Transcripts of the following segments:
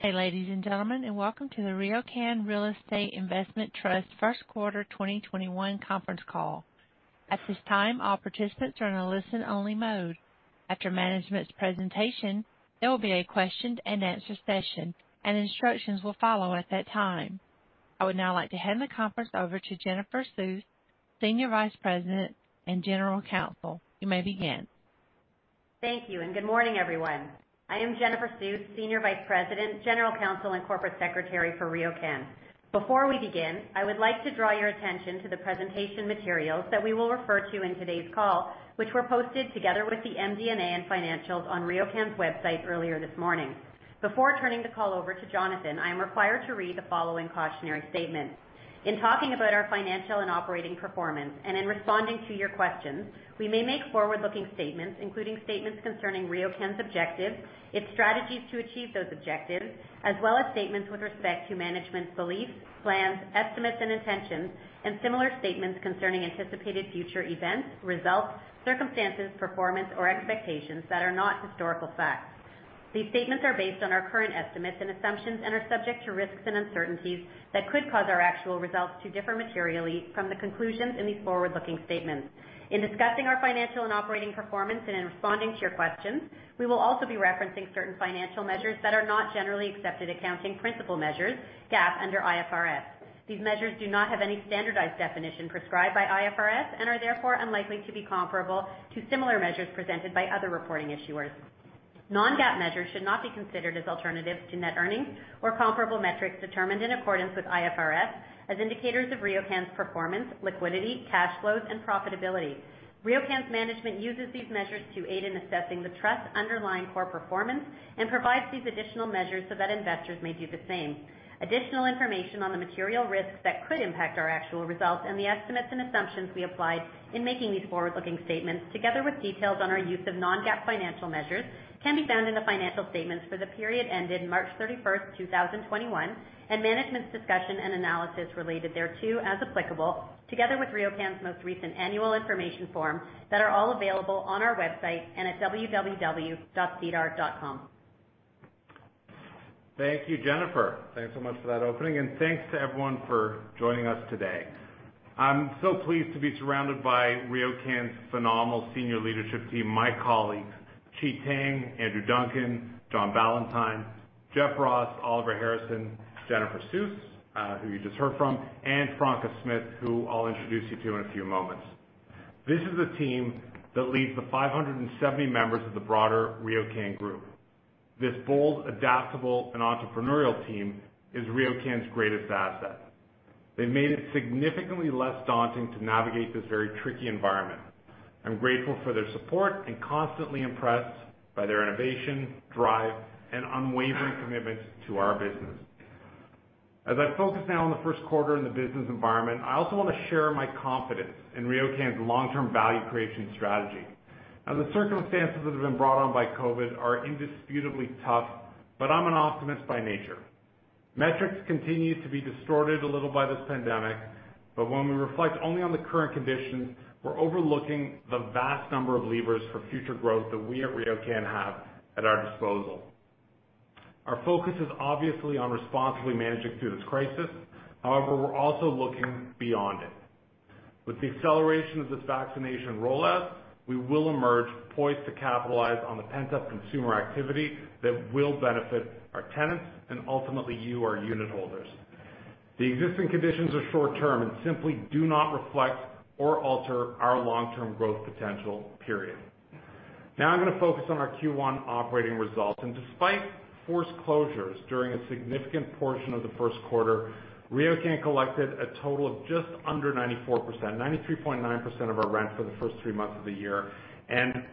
Hey, ladies and gentlemen, and welcome to the RioCan Real Estate Investment Trust first quarter 2021 conference call. At this time, all participants are in a listen-only mode. After management's presentation, there will be a question and answer session, and instructions will follow at that time. I would now like to hand the conference over to Jennifer Suess, Senior Vice President and General Counsel. You may begin. Thank you, and good morning, everyone. I am Jennifer Suess, Senior Vice President, General Counsel, and Corporate Secretary for RioCan. Before we begin, I would like to draw your attention to the presentation materials that we will refer to in today's call, which were posted together with the MD&A and financials on riocan.com earlier this morning. Before turning the call over to Jonathan, I am required to read the following cautionary statement. In talking about our financial and operating performance, and in responding to your questions, we may make forward-looking statements, including statements concerning RioCan's objectives, its strategies to achieve those objectives, as well as statements with respect to management's beliefs, plans, estimates and intentions, and similar statements concerning anticipated future events, results, circumstances, performance, or expectations that are not historical facts. These statements are based on our current estimates and assumptions and are subject to risks and uncertainties that could cause our actual results to differ materially from the conclusions in these forward-looking statements. In discussing our financial and operating performance and in responding to your questions, we will also be referencing certain financial measures that are not generally accepted accounting principle measures, GAAP under IFRS. These measures do not have any standardized definition prescribed by IFRS and are therefore unlikely to be comparable to similar measures presented by other reporting issuers. Non-GAAP measures should not be considered as alternatives to net earnings or comparable metrics determined in accordance with IFRS as indicators of RioCan's performance, liquidity, cash flows, and profitability. RioCan's management uses these measures to aid in assessing the trust's underlying core performance and provides these additional measures so that investors may do the same. Additional information on the material risks that could impact our actual results and the estimates and assumptions we applied in making these forward-looking statements, together with details on our use of non-GAAP financial measures, can be found in the financial statements for the period ended March 31st, 2021 and Management's Discussion and Analysis related thereto as applicable, together with RioCan's most recent Annual Information Form that are all available on our website and at www.sedar.com. Thank you, Jennifer. Thanks so much for that opening and thanks to everyone for joining us today. I'm so pleased to be surrounded by RioCan's phenomenal senior leadership team, my colleagues Qi Tang, Andrew Duncan, John Ballantyne, Jeff Ross, Oliver Harrison, Jennifer Suess, who you just heard from, and Franca Smith, who I'll introduce you to in a few moments. This is a team that leads the 570 members of the broader RioCan group. This bold, adaptable, and entrepreneurial team is RioCan's greatest asset. They've made it significantly less daunting to navigate this very tricky environment. I'm grateful for their support and constantly impressed by their innovation, drive, and unwavering commitment to our business. As I focus now on the first quarter in the business environment, I also want to share my confidence in RioCan's long-term value creation strategy. The circumstances that have been brought on by COVID are indisputably tough, but I'm an optimist by nature. Metrics continue to be distorted a little by this pandemic, but when we reflect only on the current conditions, we're overlooking the vast number of levers for future growth that we at RioCan have at our disposal. Our focus is obviously on responsibly managing through this crisis. We're also looking beyond it. With the acceleration of this vaccination rollout, we will emerge poised to capitalize on the pent-up consumer activity that will benefit our tenants and ultimately you, our unitholders. The existing conditions are short-term and simply do not reflect or alter our long-term growth potential, period. I'm going to focus on our Q1 operating results. Despite forced closures during a significant portion of the first quarter, RioCan collected a total of just under 94%, 93.9% of our rent for the first three months of the year.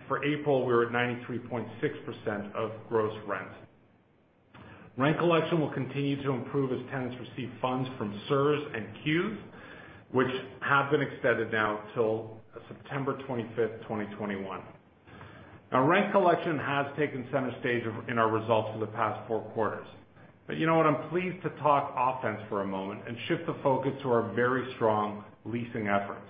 For April, we were at 93.6% of gross rent. Rent collection will continue to improve as tenants receive funds from CERS and CEWS, which have been extended now till September 25th, 2021. Rent collection has taken center stage in our results for the past four quarters. You know what? I'm pleased to talk offense for a moment and shift the focus to our very strong leasing efforts.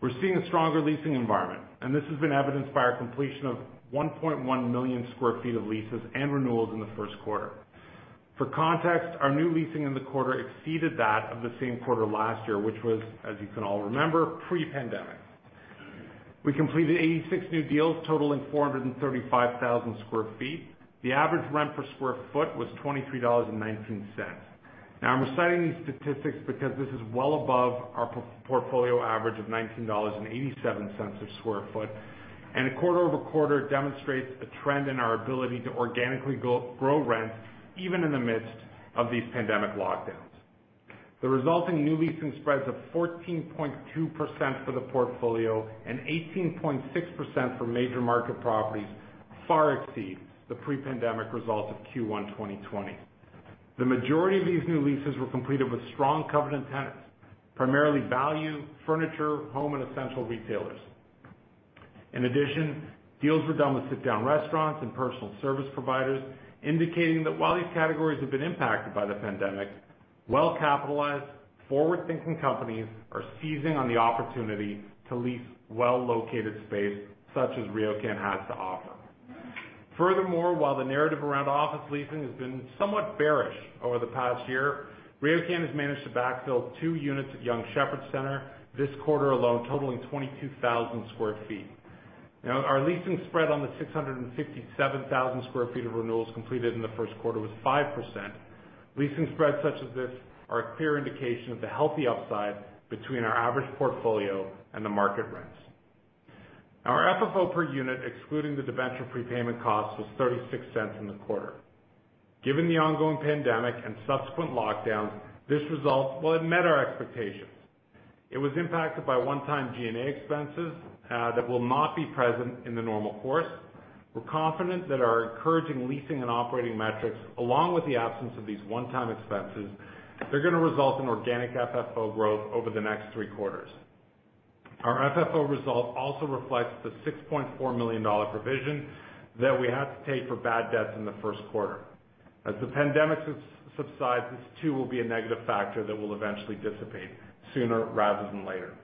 We're seeing a stronger leasing environment, and this has been evidenced by our completion of 1.1 million square feet of leases and renewals in the first quarter. For context, our new leasing in the quarter exceeded that of the same quarter last year, which was, as you can all remember, pre-pandemic. We completed 86 new deals totaling 435,000 sq ft. The average rent per sq ft was 23.19 dollars. I'm reciting these statistics because this is well above our portfolio average of 19.87 dollars a sq ft, and quarter-over-quarter demonstrates a trend in our ability to organically grow rents even in the midst of these pandemic lockdowns. The resulting new leasing spreads of 14.2% for the portfolio and 18.6% for major market properties far exceeds the pre-pandemic results of Q1 2020. The majority of these new leases were completed with strong covenant tenants, primarily value, furniture, home, and essential retailers. In addition, deals were done with sit-down restaurants and personal service providers, indicating that while these categories have been impacted by the pandemic-Well-capitalized, forward-thinking companies are seizing on the opportunity to lease well-located space such as RioCan has to offer. While the narrative around office leasing has been somewhat bearish over the past year, RioCan has managed to backfill 2 units at Yonge Sheppard Centre this quarter alone, totaling 22,000 square feet. Our leasing spread on the 657,000 square feet of renewals completed in the first quarter was 5%. Leasing spreads such as this are a clear indication of the healthy upside between our average portfolio and the market rents. Our FFO per unit, excluding the debenture prepayment cost, was 0.36 in the quarter. Given the ongoing pandemic and subsequent lockdown, this result, well, it met our expectations. It was impacted by one-time G&A expenses that will not be present in the normal course. We're confident that our encouraging leasing and operating metrics, along with the absence of these one-time expenses, they're going to result in organic FFO growth over the next three quarters. Our FFO result also reflects the 6.4 million dollar provision that we had to take for bad debts in the first quarter. As the pandemic subsides, this too will be a negative factor that will eventually dissipate sooner rather than later.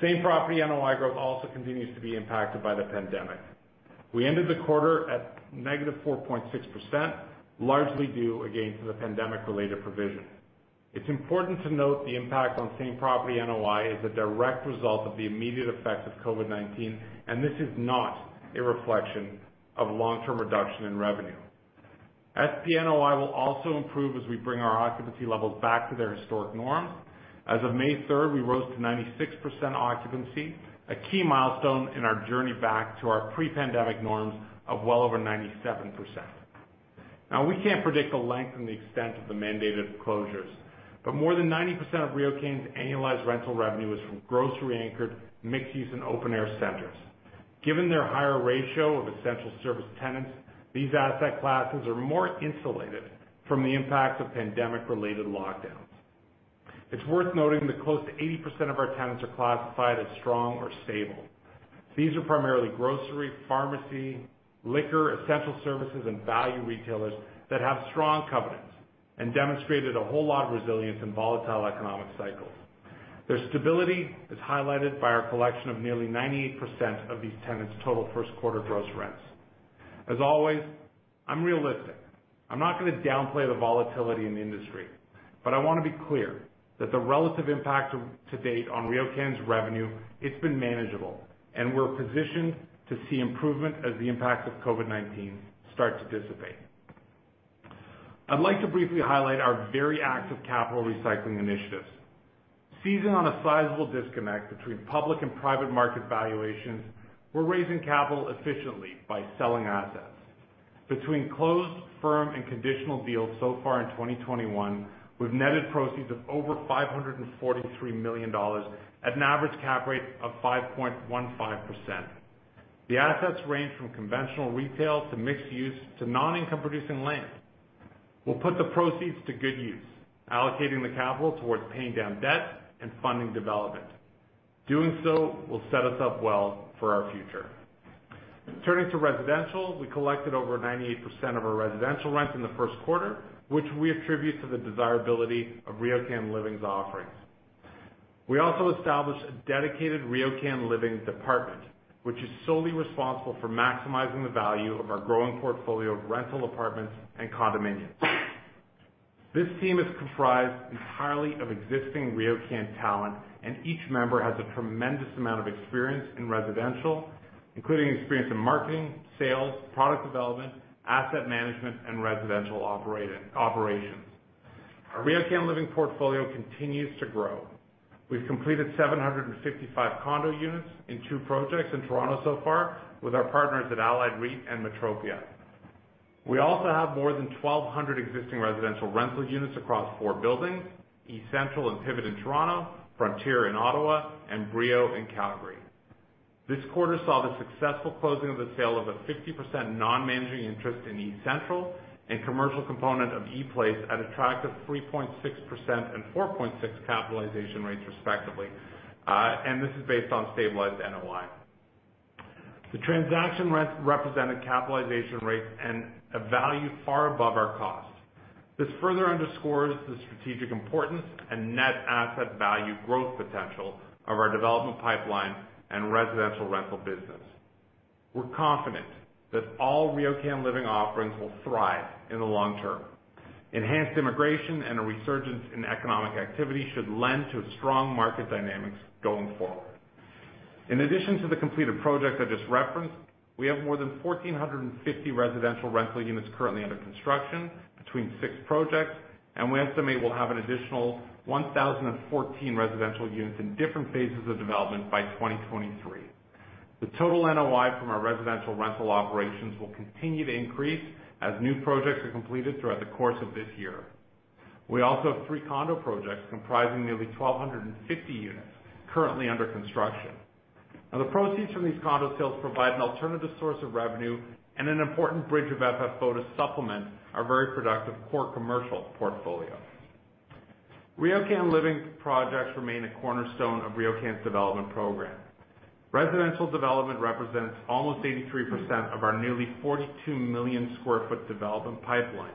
Same property NOI growth also continues to be impacted by the pandemic. We ended the quarter at -4.6%, largely due, again, to the pandemic-related provision. It's important to note the impact on same property NOI is a direct result of the immediate effect of COVID-19. This is not a reflection of long-term reduction in revenue. SPNOI will also improve as we bring our occupancy levels back to their historic norm. As of May 3rd, we rose to 96% occupancy, a key milestone in our journey back to our pre-pandemic norms of well over 97%. Now, we can't predict the length and the extent of the mandated closures, but more than 90% of RioCan's annualized rental revenue is from grocery-anchored, mixed-use, and open-air centers. Given their higher ratio of essential service tenants, these asset classes are more insulated from the impacts of pandemic-related lockdowns. It's worth noting that close to 80% of our tenants are classified as strong or stable. These are primarily grocery, pharmacy, liquor, essential services, and value retailers that have strong covenants and demonstrated a whole lot of resilience in volatile economic cycles. Their stability is highlighted by our collection of nearly 98% of these tenants' total first quarter gross rents. As always, I'm realistic. I'm not going to downplay the volatility in the industry, but I want to be clear that the relative impact to date on RioCan's revenue, it's been manageable, and we're positioned to see improvement as the impact of COVID-19 start to dissipate. I'd like to briefly highlight our very active capital recycling initiatives. Seizing on a sizable disconnect between public and private market valuations, we're raising capital efficiently by selling assets. Between closed firm and conditional deals so far in 2021, we've netted proceeds of over 543 million dollars at an average cap rate of 5.15%. The assets range from conventional retail to mixed use to non-income producing land. We'll put the proceeds to good use, allocating the capital towards paying down debt and funding development. Doing so will set us up well for our future. Turning to residential, we collected over 98% of our residential rent in the first quarter, which we attribute to the desirability of RioCan Living's offerings. We also established a dedicated RioCan Living department, which is solely responsible for maximizing the value of our growing portfolio of rental apartments and condominiums. This team is comprised entirely of existing RioCan talent, and each member has a tremendous amount of experience in residential, including experience in marketing, sales, product development, asset management, and residential operations. Our RioCan Living portfolio continues to grow. We've completed 755 condo units in two projects in Toronto so far with our partners at Allied REIT and Metropia. We also have more than 1,200 existing residential rental units across four buildings, eCentral and Pivot in Toronto, Frontier in Ottawa, and BRIO in Calgary. This quarter saw the successful closing of the sale of a 50% non-managing interest in eCentral and commercial component of ePlace at attractive 3.6% and 4.6% capitalization rates respectively. This is based on stabilized NOI. The transaction represented capitalization rates and a value far above our cost. This further underscores the strategic importance and net asset value growth potential of our development pipeline and residential rental business. We're confident that all RioCan Living offerings will thrive in the long term. Enhanced immigration and a resurgence in economic activity should lend to strong market dynamics going forward. In addition to the completed project I just referenced, we have more than 1,450 residential rental units currently under construction between six projects, and we estimate we'll have an additional 1,014 residential units in different phases of development by 2023. The total NOI from our residential rental operations will continue to increase as new projects are completed throughout the course of this year. We also have three condo projects comprising nearly 1,250 units currently under construction. The proceeds from these condo sales provide an alternative source of revenue and an important bridge of FFO to supplement our very productive core commercial portfolio. RioCan Living projects remain a cornerstone of RioCan's development program. Residential development represents almost 83% of our nearly 42 million sq ft development pipeline.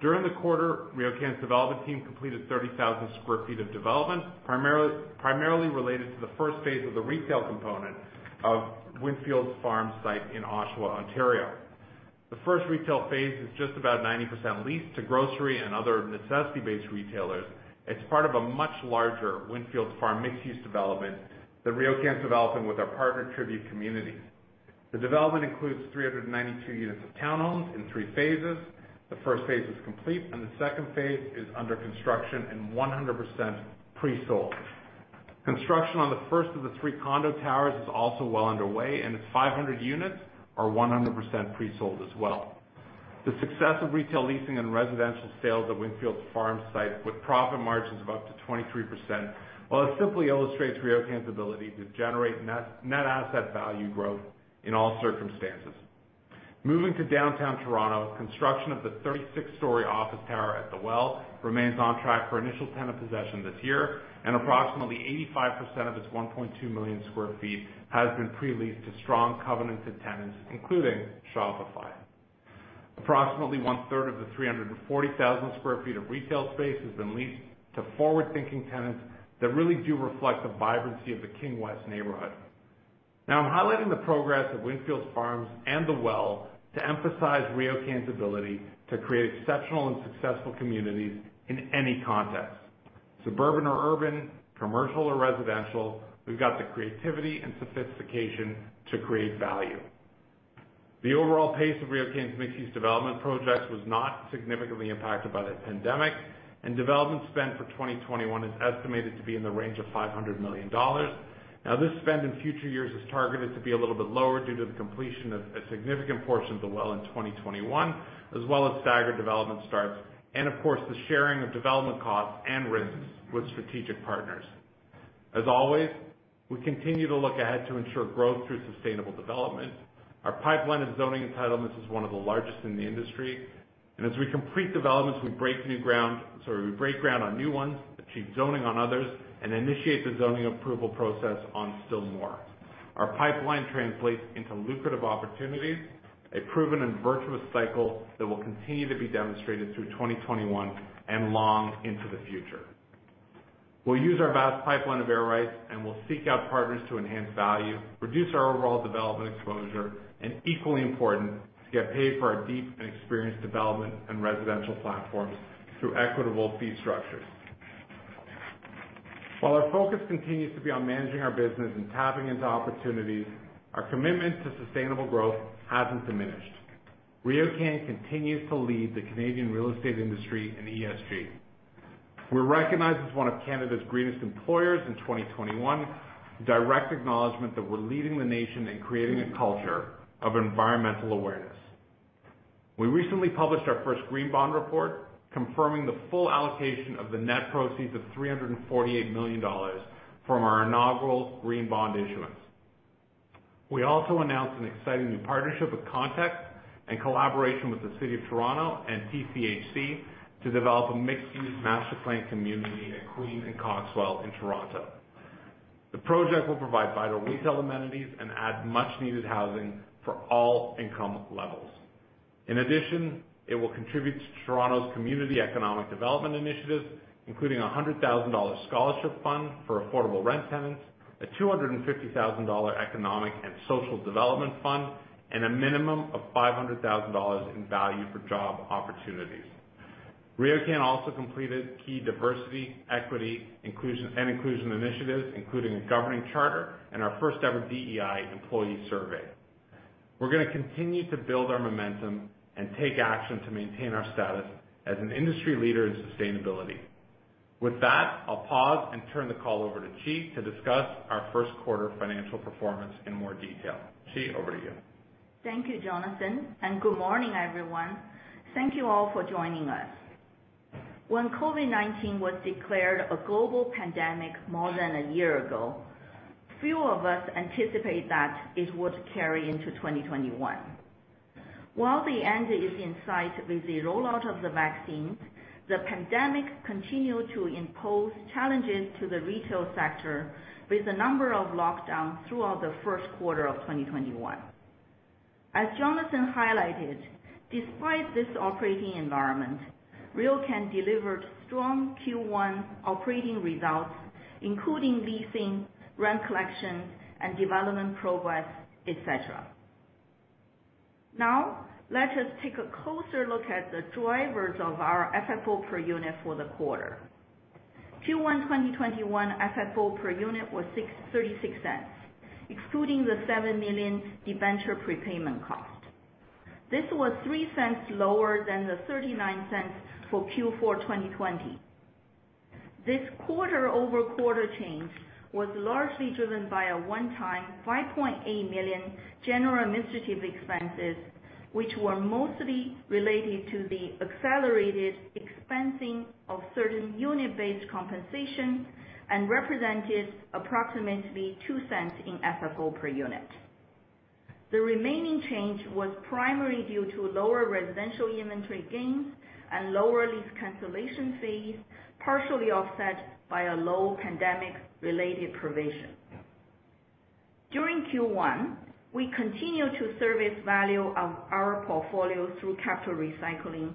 During the quarter, RioCan's development team completed 30,000 sq ft of development, primarily related to the first phase of the retail component of Windfields Farm site in Oshawa, Ontario. The first retail phase is just about 90% leased to grocery and other necessity-based retailers. It's part of a much larger Windfields Farm mixed-use development that RioCan is developing with our partner, Tribute Communities. The development includes 392 units of townhomes in three phases. The first phase is complete. The second phase is under construction and 100% pre-sold. Construction on the first of the three condo towers is also well underway. Its 500 units are 100% pre-sold as well. The success of retail leasing and residential sales at Windfields Farm site, with profit margins of up to 23%, well, it simply illustrates RioCan's ability to generate net asset value growth in all circumstances. Moving to downtown Toronto, construction of the 36-story office tower at The Well remains on track for initial tenant possession this year. Approximately 85% of its 1.2 million sq ft has been pre-leased to strong covenanted tenants, including Shopify. Approximately one-third of the 340,000 square feet of retail space has been leased to forward-thinking tenants that really do reflect the vibrancy of the King West neighborhood. I'm highlighting the progress of Windfields Farm and The Well to emphasize RioCan's ability to create exceptional and successful communities in any context. Suburban or urban, commercial or residential, we've got the creativity and sophistication to create value. The overall pace of RioCan's mixed-use development projects was not significantly impacted by the pandemic, and development spend for 2021 is estimated to be in the range of 500 million dollars. This spend in future years is targeted to be a little bit lower due to the completion of a significant portion of The Well in 2021, as well as staggered development starts, and of course, the sharing of development costs and risks with strategic partners. As always, we continue to look ahead to ensure growth through sustainable development. Our pipeline of zoning entitlements is one of the largest in the industry. As we complete developments, we break ground on new ones, achieve zoning on others, and initiate the zoning approval process on still more. Our pipeline translates into lucrative opportunities, a proven and virtuous cycle that will continue to be demonstrated through 2021 and long into the future. We'll use our vast pipeline of air rights and we'll seek out partners to enhance value, reduce our overall development exposure, and equally important, to get paid for our deep and experienced development and residential platforms through equitable fee structures. While our focus continues to be on managing our business and tapping into opportunities, our commitment to sustainable growth hasn't diminished. RioCan continues to lead the Canadian real estate industry in ESG. We're recognized as one of Canada's greenest employers in 2021, direct acknowledgment that we're leading the nation in creating a culture of environmental awareness. We recently published our first green bond report, confirming the full allocation of the net proceeds of 348 million dollars from our inaugural green bond issuance. We also announced an exciting new partnership with Context and collaboration with the City of Toronto and TCHC to develop a mixed-use master planned community at Queen and Coxwell in Toronto. The project will provide vital retail amenities and add much needed housing for all income levels. In addition, it will contribute to Toronto's community economic development initiatives, including a 100,000 dollar scholarship fund for affordable rent tenants, a 250,000 dollar economic and social development fund, and a minimum of 500,000 dollars in value for job opportunities. RioCan also completed key diversity, equity, and inclusion initiatives, including a governing charter and our first ever DEI employee survey. We're going to continue to build our momentum and take action to maintain our status as an industry leader in sustainability. With that, I'll pause and turn the call over to Qi to discuss our first quarter financial performance in more detail. Qi, over to you. Thank you, Jonathan, good morning, everyone. Thank you all for joining us. When COVID-19 was declared a global pandemic more than a year ago, few of us anticipate that it would carry into 2021. While the end is in sight with the rollout of the vaccine, the pandemic continued to impose challenges to the retail sector with a number of lockdowns throughout the first quarter of 2021. As Jonathan highlighted, despite this operating environment, RioCan delivered strong Q1 operating results, including leasing, rent collection, and development progress, et cetera. Let us take a closer look at the drivers of our FFO per unit for the quarter. Q1 2021 FFO per unit was 0.36, excluding the 7 million debenture prepayment cost. This was 0.03 lower than the 0.39 for Q4 2020. This quarter-over-quarter change was largely driven by a one-time 5.8 million general administrative expenses, which were mostly related to the accelerated expensing of certain unit-based compensation and represented approximately 0.02 in FFO per unit. The remaining change was primarily due to lower residential inventory gains and lower lease cancellation fees, partially offset by a low pandemic-related provision. During Q1, we continued to surface value of our portfolio through capital recycling,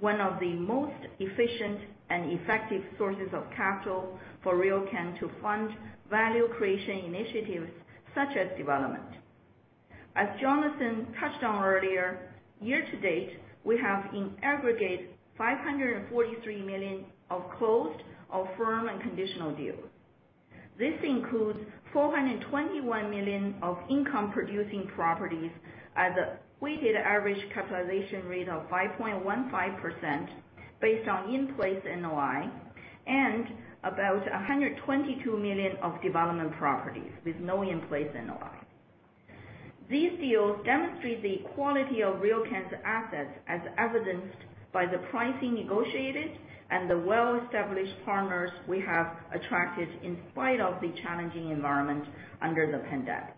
one of the most efficient and effective sources of capital for RioCan to fund value creation initiatives such as development. As Jonathan touched on earlier, year to date, we have in aggregate 543 million of closed or firm and conditional deals. This includes 421 million of income-producing properties at a weighted average capitalization rate of 5.15%, based on in-place NOI, and about 122 million of development properties with no in-place NOI. These deals demonstrate the quality of RioCan's assets as evidenced by the pricing negotiated and the well-established partners we have attracted in spite of the challenging environment under the pandemic.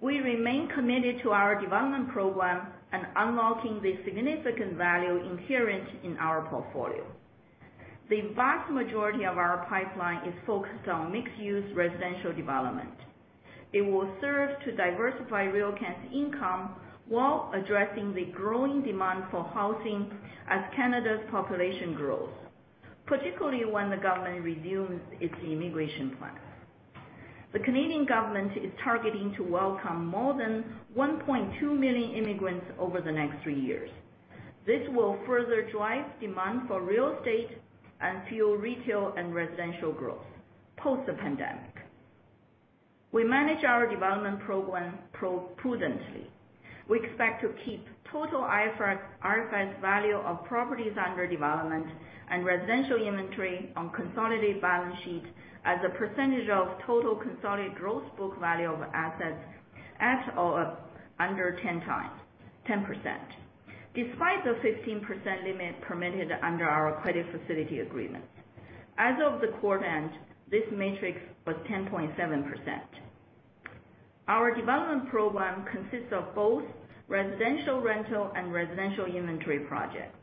We remain committed to our development program and unlocking the significant value inherent in our portfolio. The vast majority of our pipeline is focused on mixed-use residential development. It will serve to diversify RioCan's income while addressing the growing demand for housing as Canada's population grows, particularly when the government resumes its immigration plans. The Canadian government is targeting to welcome more than 1.2 million immigrants over the next three years. This will further drive demand for real estate and fuel retail and residential growth post the pandemic. We manage our development program prudently. We expect to keep total IFRS value of properties under development and residential inventory on consolidated balance sheet as a percentage of total consolidated gross book value of assets at or under 10%. Despite the 15% limit permitted under our credit facility agreement. As of the quarter end, this metric was 10.7%. Our development program consists of both residential rental and residential inventory projects.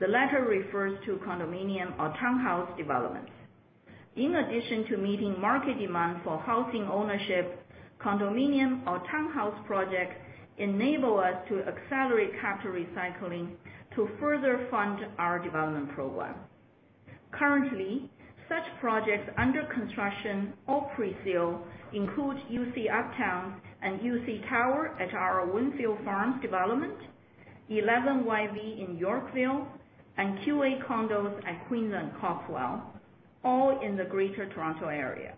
The latter refers to condominium or townhouse developments. In addition to meeting market demand for housing ownership, condominium or townhouse projects enable us to accelerate capital recycling to further fund our development program. Currently, such projects under construction or pre-sale include UC Uptowns and UC Tower at our Windfields Farm development, 11 YV in Yorkville, and QA Condos at Queen and Coxwell, all in the Greater Toronto Area.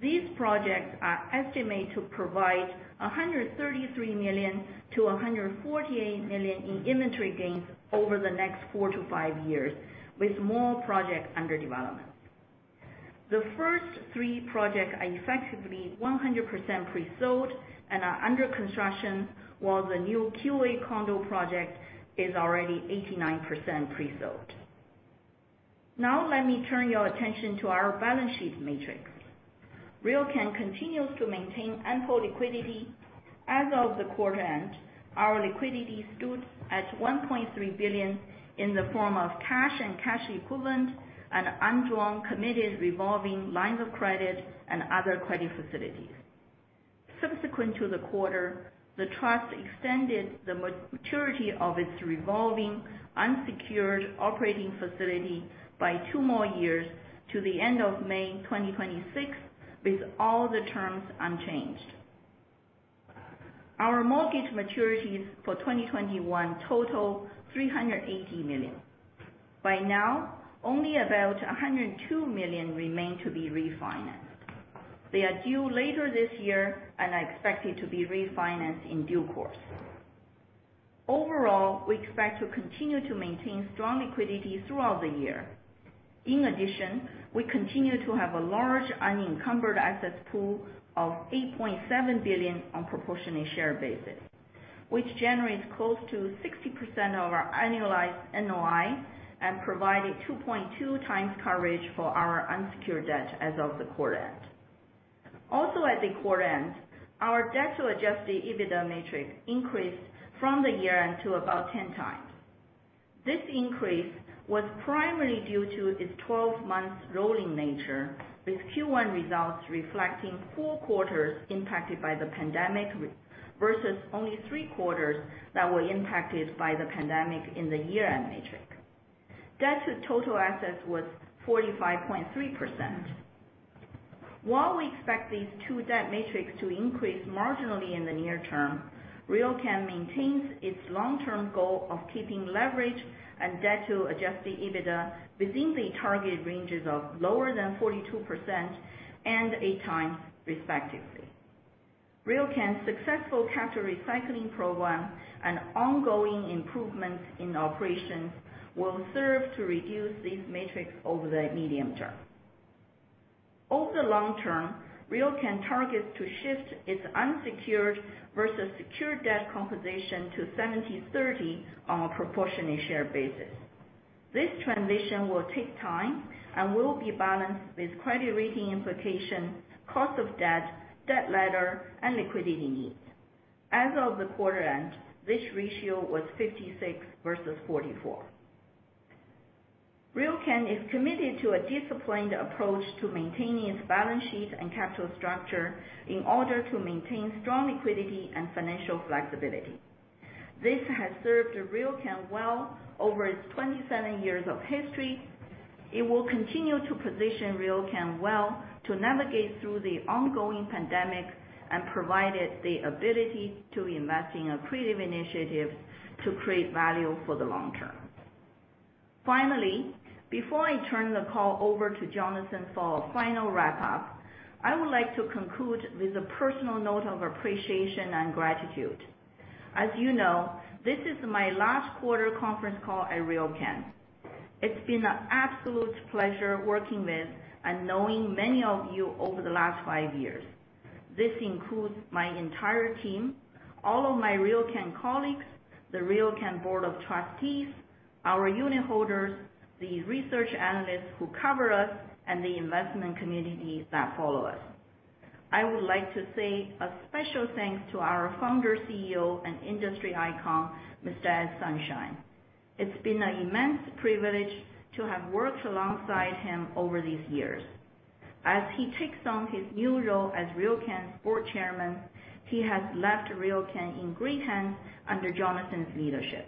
These projects are estimated to provide 133 million to 148 million in inventory gains over the next four to five years, with more projects under development. The first three projects are effectively 100% pre-sold and are under construction, while the new QA Condos project is already 89% pre-sold. Let me turn your attention to our balance sheet metrics. RioCan continues to maintain ample liquidity. As of the quarter end, our liquidity stood at 1.3 billion in the form of cash and cash equivalent and undrawn committed revolving lines of credit and other credit facilities. Subsequent to the quarter, the Trust extended the maturity of its revolving unsecured operating facility by two more years to the end of May 2026, with all the terms unchanged. Our mortgage maturities for 2021 total 380 million. By now, only about 102 million remain to be refinanced. They are due later this year and are expected to be refinanced in due course. Overall, we expect to continue to maintain strong liquidity throughout the year. In addition, we continue to have a large unencumbered asset pool of 8.7 billion on a proportionally shared basis, which generates close to 60% of our annualized NOI and provided 2.2x coverage for our unsecured debt as of the quarter end. At the quarter end, our debt to adjusted EBITDA metric increased from the year-end to about 10x. This increase was primarily due to its 12 months rolling nature, with Q1 results reflecting four quarters impacted by the pandemic versus only three quarters that were impacted by the pandemic in the year-end metric. Debt to total assets was 45.3%. While we expect these two debt metrics to increase marginally in the near term, RioCan maintains its long-term goal of keeping leverage and debt to adjusted EBITDA within the target ranges of lower than 42% and eight times respectively. RioCan's successful capital recycling program and ongoing improvements in operations will serve to reduce these metrics over the medium term. Over the long term, RioCan targets to shift its unsecured versus secured debt composition to 70/30 on a proportionally shared basis. This transition will take time and will be balanced with credit rating implication, cost of debt ladder, and liquidity needs. As of the quarter end, this ratio was 56 versus 44. RioCan is committed to a disciplined approach to maintaining its balance sheet and capital structure in order to maintain strong liquidity and financial flexibility. This has served RioCan well over its 27 years of history. It will continue to position RioCan well to navigate through the ongoing pandemic and provide it the ability to invest in accretive initiatives to create value for the long term. Finally, before I turn the call over to Jonathan for a final wrap-up, I would like to conclude with a personal note of appreciation and gratitude. As you know, this is my last quarter conference call at RioCan. It's been an absolute pleasure working with and knowing many of you over the last five years. This includes my entire team, all of my RioCan colleagues, the RioCan Board of Trustees, our unitholders, the research analysts who cover us, and the investment communities that follow us. I would like to say a special thanks to our founder, CEO, and industry icon, Mr. Ed Sonshine. It's been an immense privilege to have worked alongside him over these years. As he takes on his new role as RioCan's Board Chairman, he has left RioCan in great hands under Jonathan's leadership.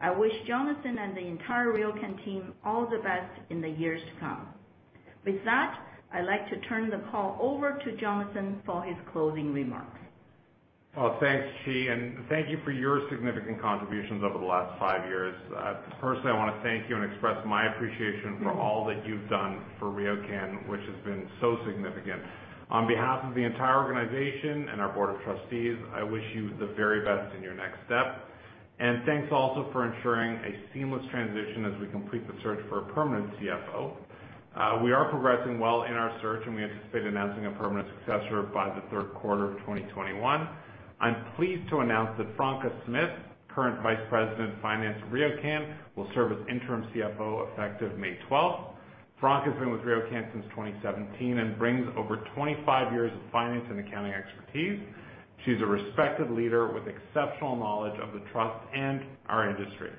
I wish Jonathan and the entire RioCan team all the best in the years to come. With that, I'd like to turn the call over to Jonathan for his closing remarks. Thanks, Qi. Thank you for your significant contributions over the last five years. Personally, I want to thank you and express my appreciation for all that you've done for RioCan, which has been so significant. On behalf of the entire organization and our Board of Trustees, I wish you the very best in your next step. Thanks also for ensuring a seamless transition as we complete the search for a permanent CFO. We are progressing well in our search, and we anticipate announcing a permanent successor by the third quarter of 2021. I'm pleased to announce that Franca Smith, current Vice President, Finance, RioCan, will serve as Interim CFO effective May 12th. Franca's been with RioCan since 2017 and brings over 25 years of finance and accounting expertise. She's a respected leader with exceptional knowledge of the trust and our industry.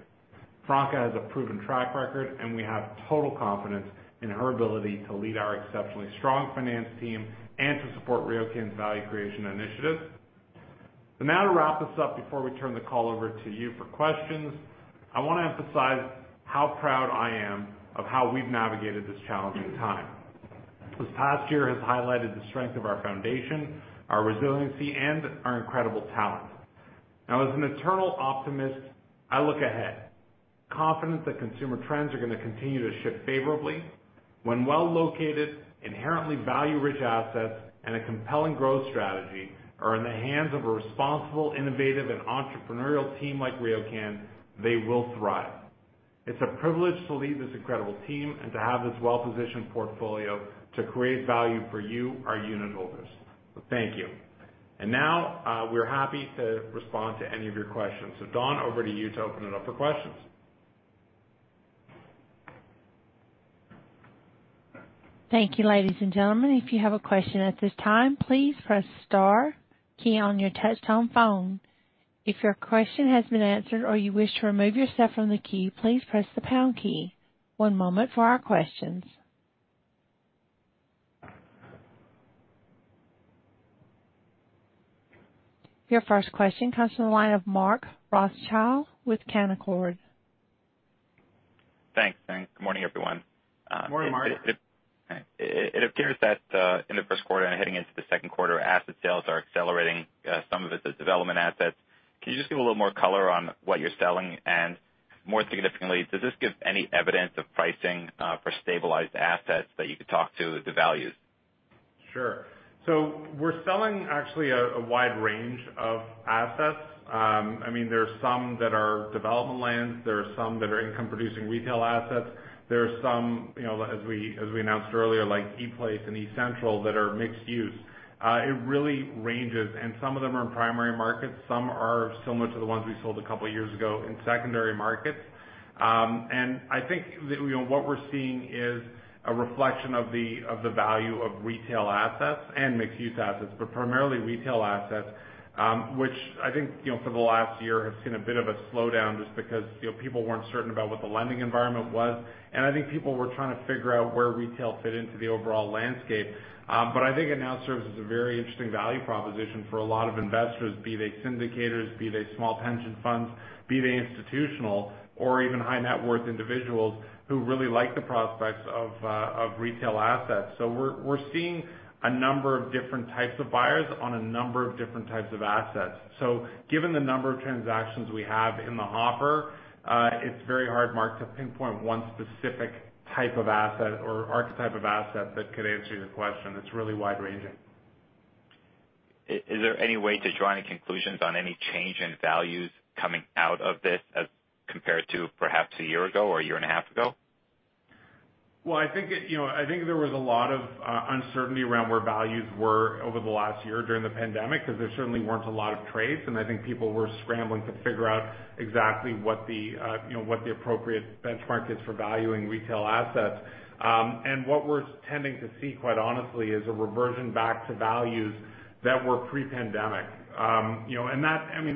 Franca has a proven track record, and we have total confidence in her ability to lead our exceptionally strong finance team and to support RioCan's value creation initiative. Now to wrap this up before we turn the call over to you for questions, I want to emphasize how proud I am of how we've navigated this challenging time. This past year has highlighted the strength of our foundation, our resiliency, and our incredible talent. Now, as an eternal optimist, I look ahead confident that consumer trends are going to continue to shift favorably when well-located, inherently value-rich assets and a compelling growth strategy are in the hands of a responsible, innovative, and entrepreneurial team like RioCan, they will thrive. It's a privilege to lead this incredible team and to have this well-positioned portfolio to create value for you, our unitholders. Thank you. Now, we're happy to respond to any of your questions. Dawn, over to you to open it up for questions. Thank you, ladies and gentlemen. If you have a question at this time, please press star key on your touchtone phone. If your question has been answered or you wish to remove yourself from the queue, please press the pound key. Your first question comes from the line of Mark Rothschild with Canaccord. Thanks. Good morning, everyone. Good morning, Mark. It appears that in the first quarter and heading into the second quarter, asset sales are accelerating, some of it's the development assets. Can you just give a little more color on what you're selling? More significantly, does this give any evidence of pricing for stabilized assets that you could talk to the values? Sure. We're selling actually a wide range of assets. There are some that are development lands, there are some that are income-producing retail assets. There are some, as we announced earlier, like ePlace and eCentral, that are mixed use. It really ranges, and some of them are in primary markets. Some are similar to the ones we sold a couple of years ago in secondary markets. I think what we're seeing is a reflection of the value of retail assets and mixed-use assets, but primarily retail assets, which I think for the last year has seen a bit of a slowdown just because people weren't certain about what the lending environment was. I think people were trying to figure out where retail fit into the overall landscape, but I think it now serves as a very interesting value proposition for a lot of investors, be they syndicators, be they small pension funds, be they institutional or even high-net-worth individuals who really like the prospects of retail assets. We're seeing a number of different types of buyers on a number of different types of assets. Given the number of transactions we have in the hopper, it's very hard, Mark, to pinpoint one specific type of asset or archetype of asset that could answer your question. It's really wide-ranging. Is there any way to draw any conclusions on any change in values coming out of this as compared to perhaps a year ago or a year and a half ago? I think there was a lot of uncertainty around where values were over the last year during the pandemic, because there certainly weren't a lot of trades, and I think people were scrambling to figure out exactly what the appropriate benchmark is for valuing retail assets. What we're tending to see, quite honestly, is a reversion back to values that were pre-pandemic.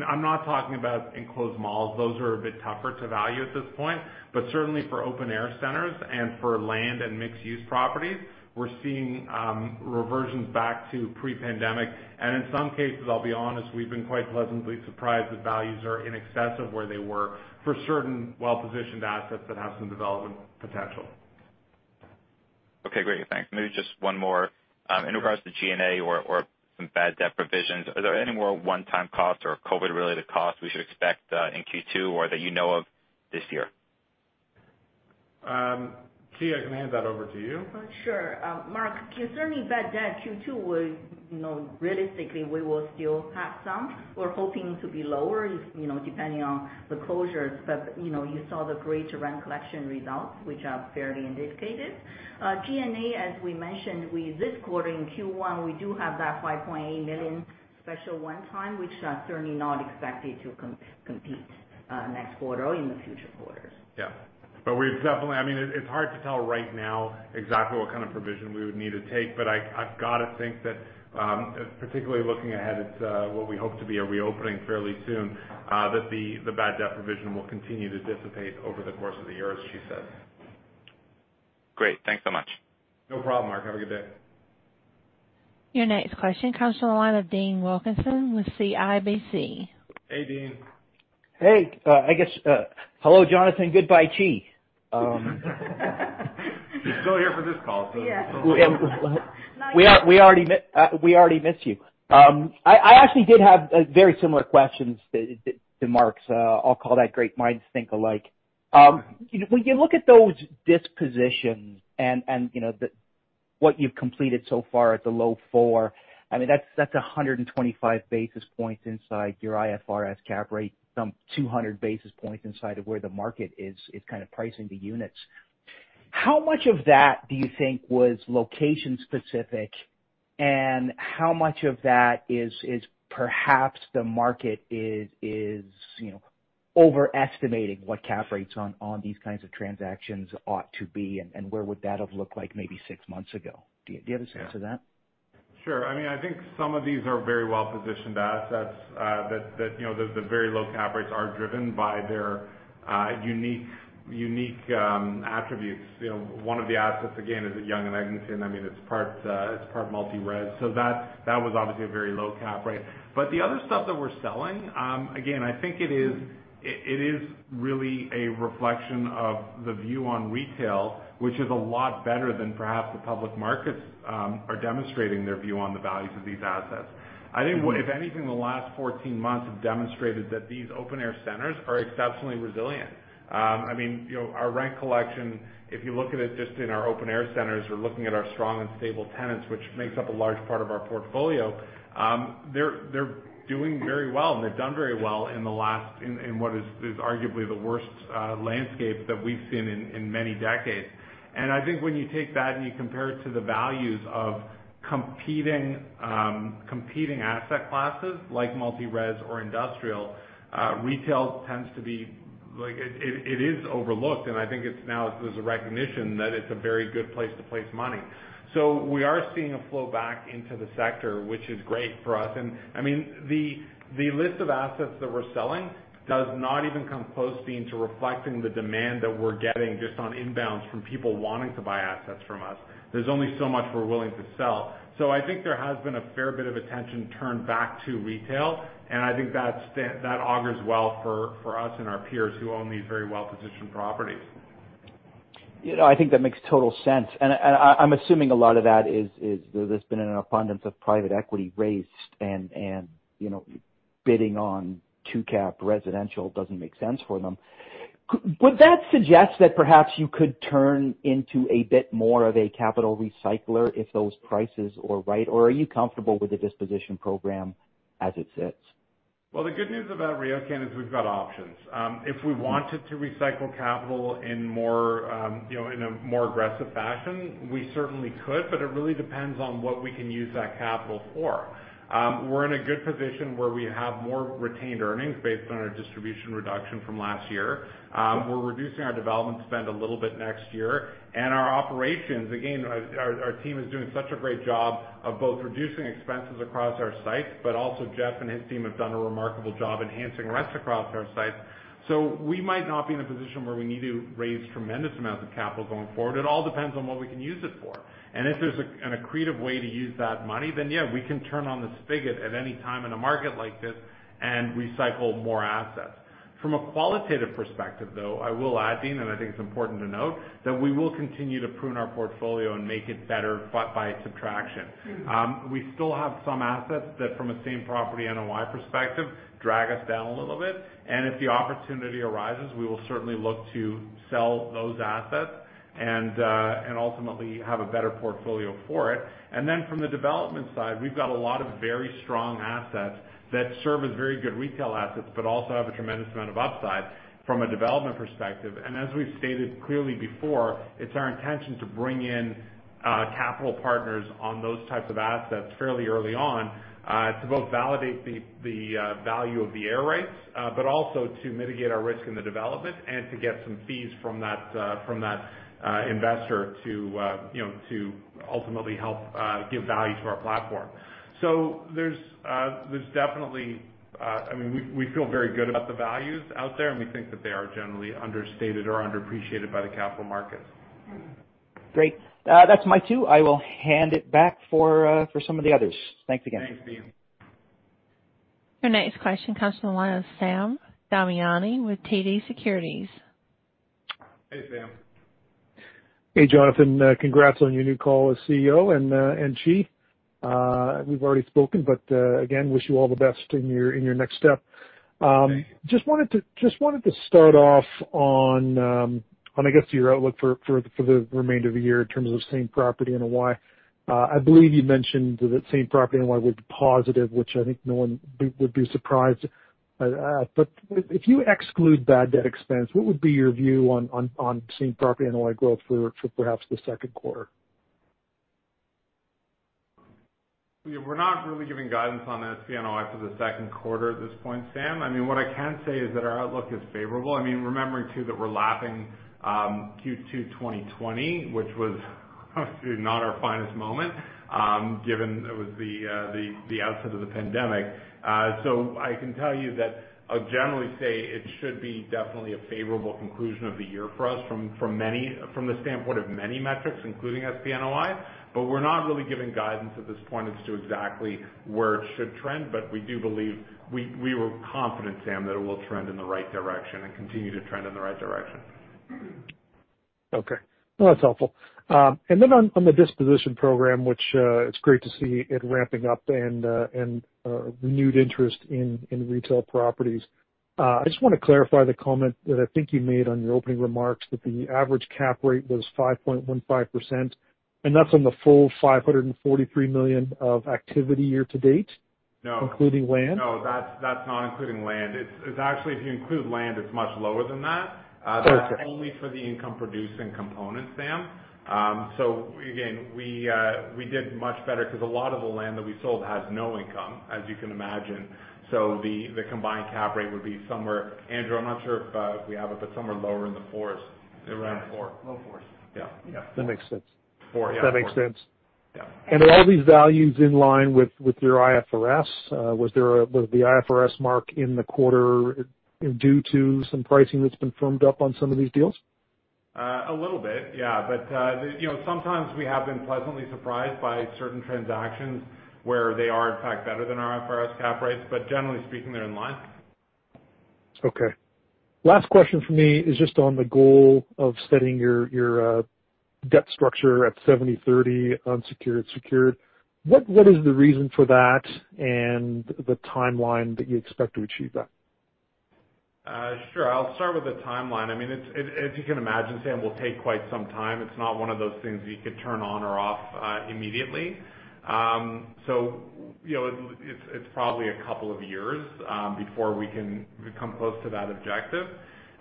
I'm not talking about enclosed malls. Those are a bit tougher to value at this point. Certainly for open-air centers and for land and mixed-use properties, we're seeing reversions back to pre-pandemic. In some cases, I'll be honest, we've been quite pleasantly surprised that values are in excess of where they were for certain well-positioned assets that have some development potential. Okay, great. Thanks. Maybe just one more. Sure. In regards to G&A or some bad debt provisions, are there any more one-time costs or COVID-related costs we should expect in Q2 or that you know of this year? Qi, I can hand that over to you. Sure. Mark, concerning bad debt Q2, realistically, we will still have some. We are hoping to be lower, depending on the closures. You saw the great rent collection results, which are fairly indicated. G&A, as we mentioned, this quarter in Q1, we do have that 5.8 million special one-time, which are certainly not expected to repeat next quarter or in the future quarters. Yeah. It's hard to tell right now exactly what kind of provision we would need to take. I've got to think that, particularly looking ahead at what we hope to be a reopening fairly soon, that the bad debt provision will continue to dissipate over the course of the year, as Qi says. Great. Thanks so much. No problem, Mark. Have a good day. Your next question comes from the line of Dean Wilkinson with CIBC. Hey, Dean. Hey. I guess, hello, Jonathan. Goodbye, Qi. She's still here for this call. Yeah. We already miss you. I actually did have very similar questions to Mark's. I'll call that great minds think alike. When you look at those dispositions and what you've completed so far at the low four, that's 125 basis points inside your IFRS cap rate, some 200 basis points inside of where the market is kind of pricing the units. How much of that do you think was location specific, and how much of that is perhaps the market is overestimating what cap rates on these kinds of transactions ought to be, and where would that have looked like maybe six months ago? Do you have a sense of that? Sure. I think some of these are very well-positioned assets that the very low cap rates are driven by their unique attributes. One of the assets, again, is at Yonge and Eglinton. It's part multi-res. That was obviously a very low cap rate. The other stuff that we're selling, again, I think it is really a reflection of the view on retail, which is a lot better than perhaps the public markets are demonstrating their view on the values of these assets. I think if anything, the last 14 months have demonstrated that these open-air centers are exceptionally resilient. Our rent collection, if you look at it just in our open-air centers, we're looking at our strong and stable tenants, which makes up a large part of our portfolio. They're doing very well, they've done very well in what is arguably the worst landscape that we've seen in many decades. I think when you take that and you compare it to the values of competing asset classes, like multi-res or industrial, retail tends to be overlooked, and I think now there's a recognition that it's a very good place to place money. We are seeing a flow back into the sector, which is great for us. The list of assets that we're selling does not even come close to reflecting the demand that we're getting just on inbounds from people wanting to buy assets from us. There's only so much we're willing to sell. I think there has been a fair bit of attention turned back to retail, and I think that augurs well for us and our peers who own these very well-positioned properties. I think that makes total sense. I'm assuming a lot of that is there's been an abundance of private equity raised, and bidding on 2-cap residential doesn't make sense for them. Would that suggest that perhaps you could turn into a bit more of a capital recycler if those prices are right, or are you comfortable with the disposition program as it sits? The good news about RioCan is we've got options. If we wanted to recycle capital in a more aggressive fashion, we certainly could, but it really depends on what we can use that capital for. We're in a good position where we have more retained earnings based on our distribution reduction from last year. We're reducing our development spend a little bit next year. Our operations, again, our team is doing such a great job of both reducing expenses across our sites, but also Jeff and his team have done a remarkable job enhancing rents across our sites. We might not be in a position where we need to raise tremendous amounts of capital going forward. It all depends on what we can use it for. If there's an accretive way to use that money, then yeah, we can turn on the spigot at any time in a market like this and recycle more assets. From a qualitative perspective, though, I will add, Dean, and I think it's important to note, that we will continue to prune our portfolio and make it better by subtraction. We still have some assets that from a same-property NOI perspective, drag us down a little bit. If the opportunity arises, we will certainly look to sell those assets and ultimately have a better portfolio for it. From the development side, we've got a lot of very strong assets that serve as very good retail assets, but also have a tremendous amount of upside from a development perspective. As we've stated clearly before, it's our intention to bring in capital partners on those types of assets fairly early on to both validate the value of the air rights, but also to mitigate our risk in the development and to get some fees from that investor to ultimately help give value to our platform. We feel very good about the values out there, and we think that they are generally understated or underappreciated by the capital markets. Great. That's my two. I will hand it back for some of the others. Thanks again. Thanks, Dean. Your next question comes from the line of Sam Damiani with TD Securities. Hey, Sam. Hey, Jonathan. Congrats on your new call as CEO and chief. We've already spoken, but again, wish you all the best in your next step. Thanks. Just wanted to start off on, I guess, your outlook for the remainder of the year in terms of same property NOI. I believe you mentioned that same property NOI would be positive, which I think no one would be surprised at. If you exclude bad debt expense, what would be your view on same property NOI growth for perhaps the second quarter? We're not really giving guidance on SPNOI for the second quarter at this point, Sam. What I can say is that our outlook is favorable. Remembering too that we're lapping Q2 2020, which was honestly not our finest moment, given it was the outset of the pandemic. I can tell you that I'll generally say it should be definitely a favorable conclusion of the year for us from the standpoint of many metrics, including SPNOI. We're not really giving guidance at this point as to exactly where it should trend. We do believe, we were confident, Sam, that it will trend in the right direction and continue to trend in the right direction. Okay. No, that's helpful. On the disposition program, which it's great to see it ramping up and renewed interest in retail properties. I just want to clarify the comment that I think you made on your opening remarks, that the average cap rate was 5.15%, and that's on the full 543 million of activity year to date? No. Including land. No, that's not including land. It's actually, if you include land, it's much lower than that. Okay. That's only for the income-producing component, Sam. Again, we did much better because a lot of the land that we sold has no income, as you can imagine. The combined cap rate would be somewhere Andrew, I'm not sure if we have it, but somewhere lower in the fours. Around four. Low fours. Yeah. That makes sense. Four, yeah. That makes sense. Yeah. Are all these values in line with your IFRS? Was the IFRS mark in the quarter due to some pricing that's been firmed up on some of these deals? A little bit, yeah. Sometimes we have been pleasantly surprised by certain transactions where they are in fact better than our IFRS cap rates. Generally speaking, they're in line. Okay. Last question from me is just on the goal of setting your debt structure at 70/30 unsecured/secured. What is the reason for that and the timeline that you expect to achieve that? Sure. I'll start with the timeline. As you can imagine, Sam, will take quite some time. It's probably a couple of years before we can come close to that objective.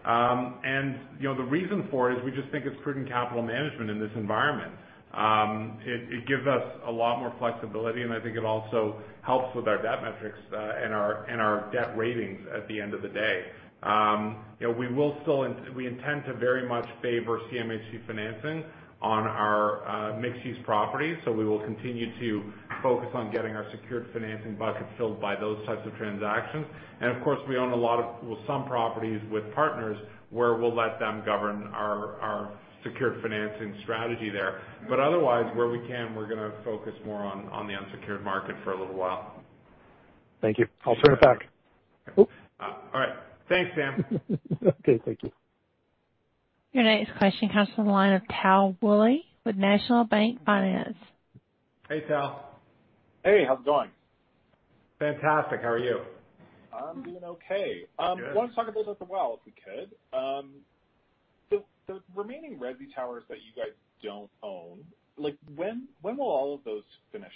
The reason for it is we just think it's prudent capital management in this environment. It gives us a lot more flexibility, and I think it also helps with our debt metrics and our debt ratings at the end of the day. We intend to very much favor CMHC financing on our mixed-use properties. We will continue to focus on getting our secured financing bucket filled by those types of transactions. Of course, we own some properties with partners where we'll let them govern our secured financing strategy there. Otherwise, where we can, we're going to focus more on the unsecured market for a little while. Thank you. I'll circle back. All right. Thanks, Sam. Okay. Thank you. Your next question comes from the line of Tal Woolley with National Bank Financial. Hey, Tal. Hey, how's it going? Fantastic. How are you? I'm doing okay. Good. Wanted to talk a little about the Well, if we could. The remaining resi towers that you guys don't own, when will all of those finish?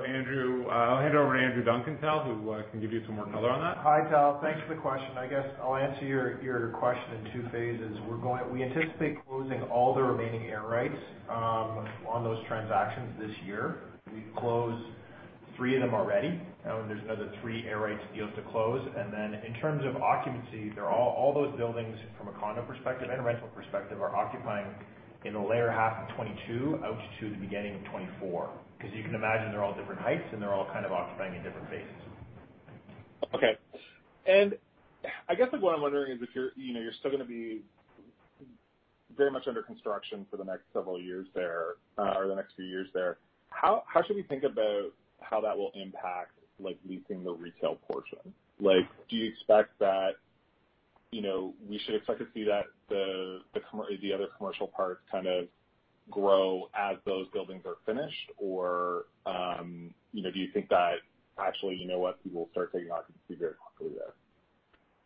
Andrew, I'll hand it over to Andrew Duncan, Tal, who can give you some more color on that. Hi, Tal. Thanks for the question. I guess I'll answer your question in two phases. We anticipate closing all the remaining air rights on those transactions this year. We've closed three of them already. There's another three air rights deals to close. In terms of occupancy, all those buildings from a condo perspective and a rental perspective are occupying in the later half of 2022 out to the beginning of 2024. You can imagine they're all different heights and they're all kind of occupying in different phases. Okay. I guess what I'm wondering is if you're still going to be very much under construction for the next several years there or the next few years there, how should we think about how that will impact leasing the retail portion? Do you expect that we should expect to see that the other commercial parts kind of grow as those buildings are finished? Do you think that actually, you know what, people will start taking occupancy very quickly there?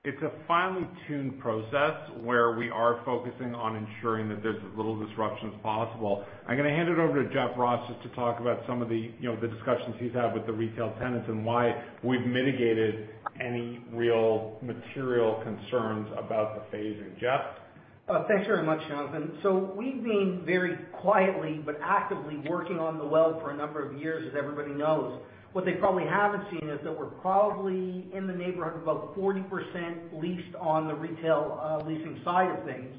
It's a finely tuned process where we are focusing on ensuring that there's as little disruption as possible. I'm going to hand it over to Jeff Ross just to talk about some of the discussions he's had with the retail tenants and why we've mitigated any real material concerns about the phasing. Jeff? Thanks very much, Jonathan. We've been very quietly but actively working on The Well for a number of years, as everybody knows. What they probably haven't seen is that we're probably in the neighborhood of about 40% leased on the retail leasing side of things.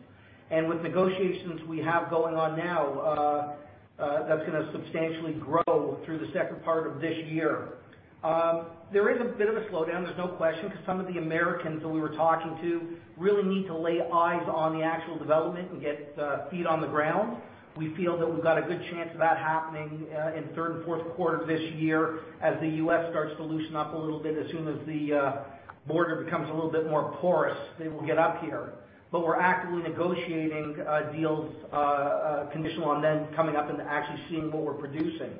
With negotiations we have going on now, that's going to substantially grow through the second part of this year. There is a bit of a slowdown, there's no question, because some of the Americans that we were talking to really need to lay eyes on the actual development and get feet on the ground. We feel that we've got a good chance of that happening in the third and fourth quarter of this year, as the U.S. starts to loosen up a little bit. As soon as the border becomes a little bit more porous, they will get up here. We're actively negotiating deals conditional on them coming up and actually seeing what we're producing.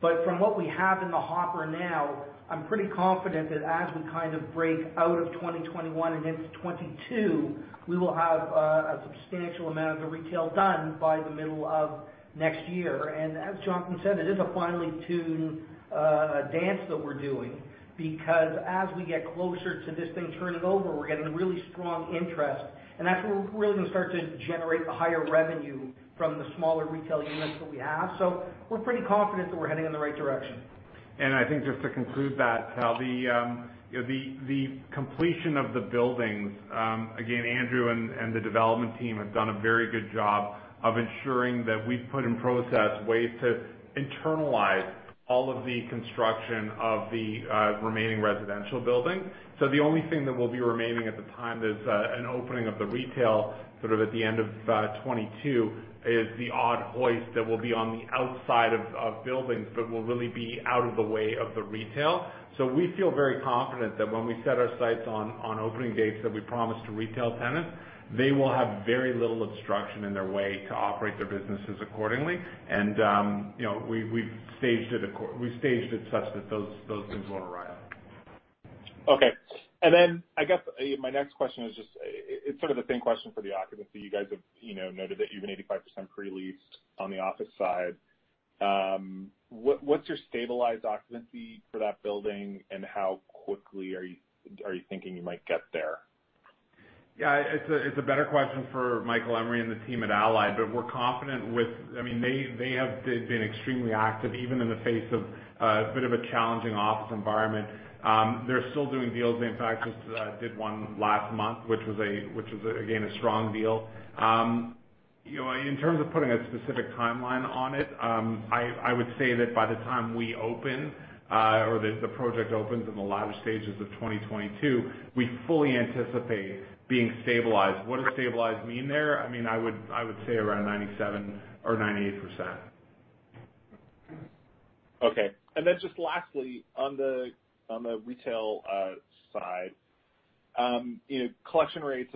From what we have in the hopper now, I'm pretty confident that as we kind of break out of 2021 and into 2022, we will have a substantial amount of the retail done by the middle of next year. As Jonathan said, it is a finely tuned dance that we're doing, because as we get closer to this thing turning over, we're getting really strong interest. That's where we're really going to start to generate the higher revenue from the smaller retail units that we have. We're pretty confident that we're heading in the right direction. I think just to conclude that, the completion of the buildings, again, Andrew and the development team have done a very good job of ensuring that we've put in process ways to internalize all of the construction of the remaining residential building. The only thing that will be remaining at the time there's an opening of the retail at the end of 2022, is the odd hoist that will be on the outside of buildings but will really be out of the way of the retail. We feel very confident that when we set our sights on opening dates that we promise to retail tenants, they will have very little obstruction in their way to operate their businesses accordingly. We've staged it such that those things won't arise. Okay. I guess my next question is just, it's sort of the same question for the occupancy. You guys have noted that you're even 85% pre-leased on the office side. What's your stabilized occupancy for that building, and how quickly are you thinking you might get there? Yeah, it's a better question for Michael Emory and the team at Allied. They have been extremely active, even in the face of a bit of a challenging office environment. They're still doing deals. They, in fact, just did one last month, which was, again, a strong deal. In terms of putting a specific timeline on it, I would say that by the time we open or the project opens in the latter stages of 2022, we fully anticipate being stabilized. What does stabilized mean there? I would say around 97% or 98%. Okay. Just lastly, on the retail side, collection rates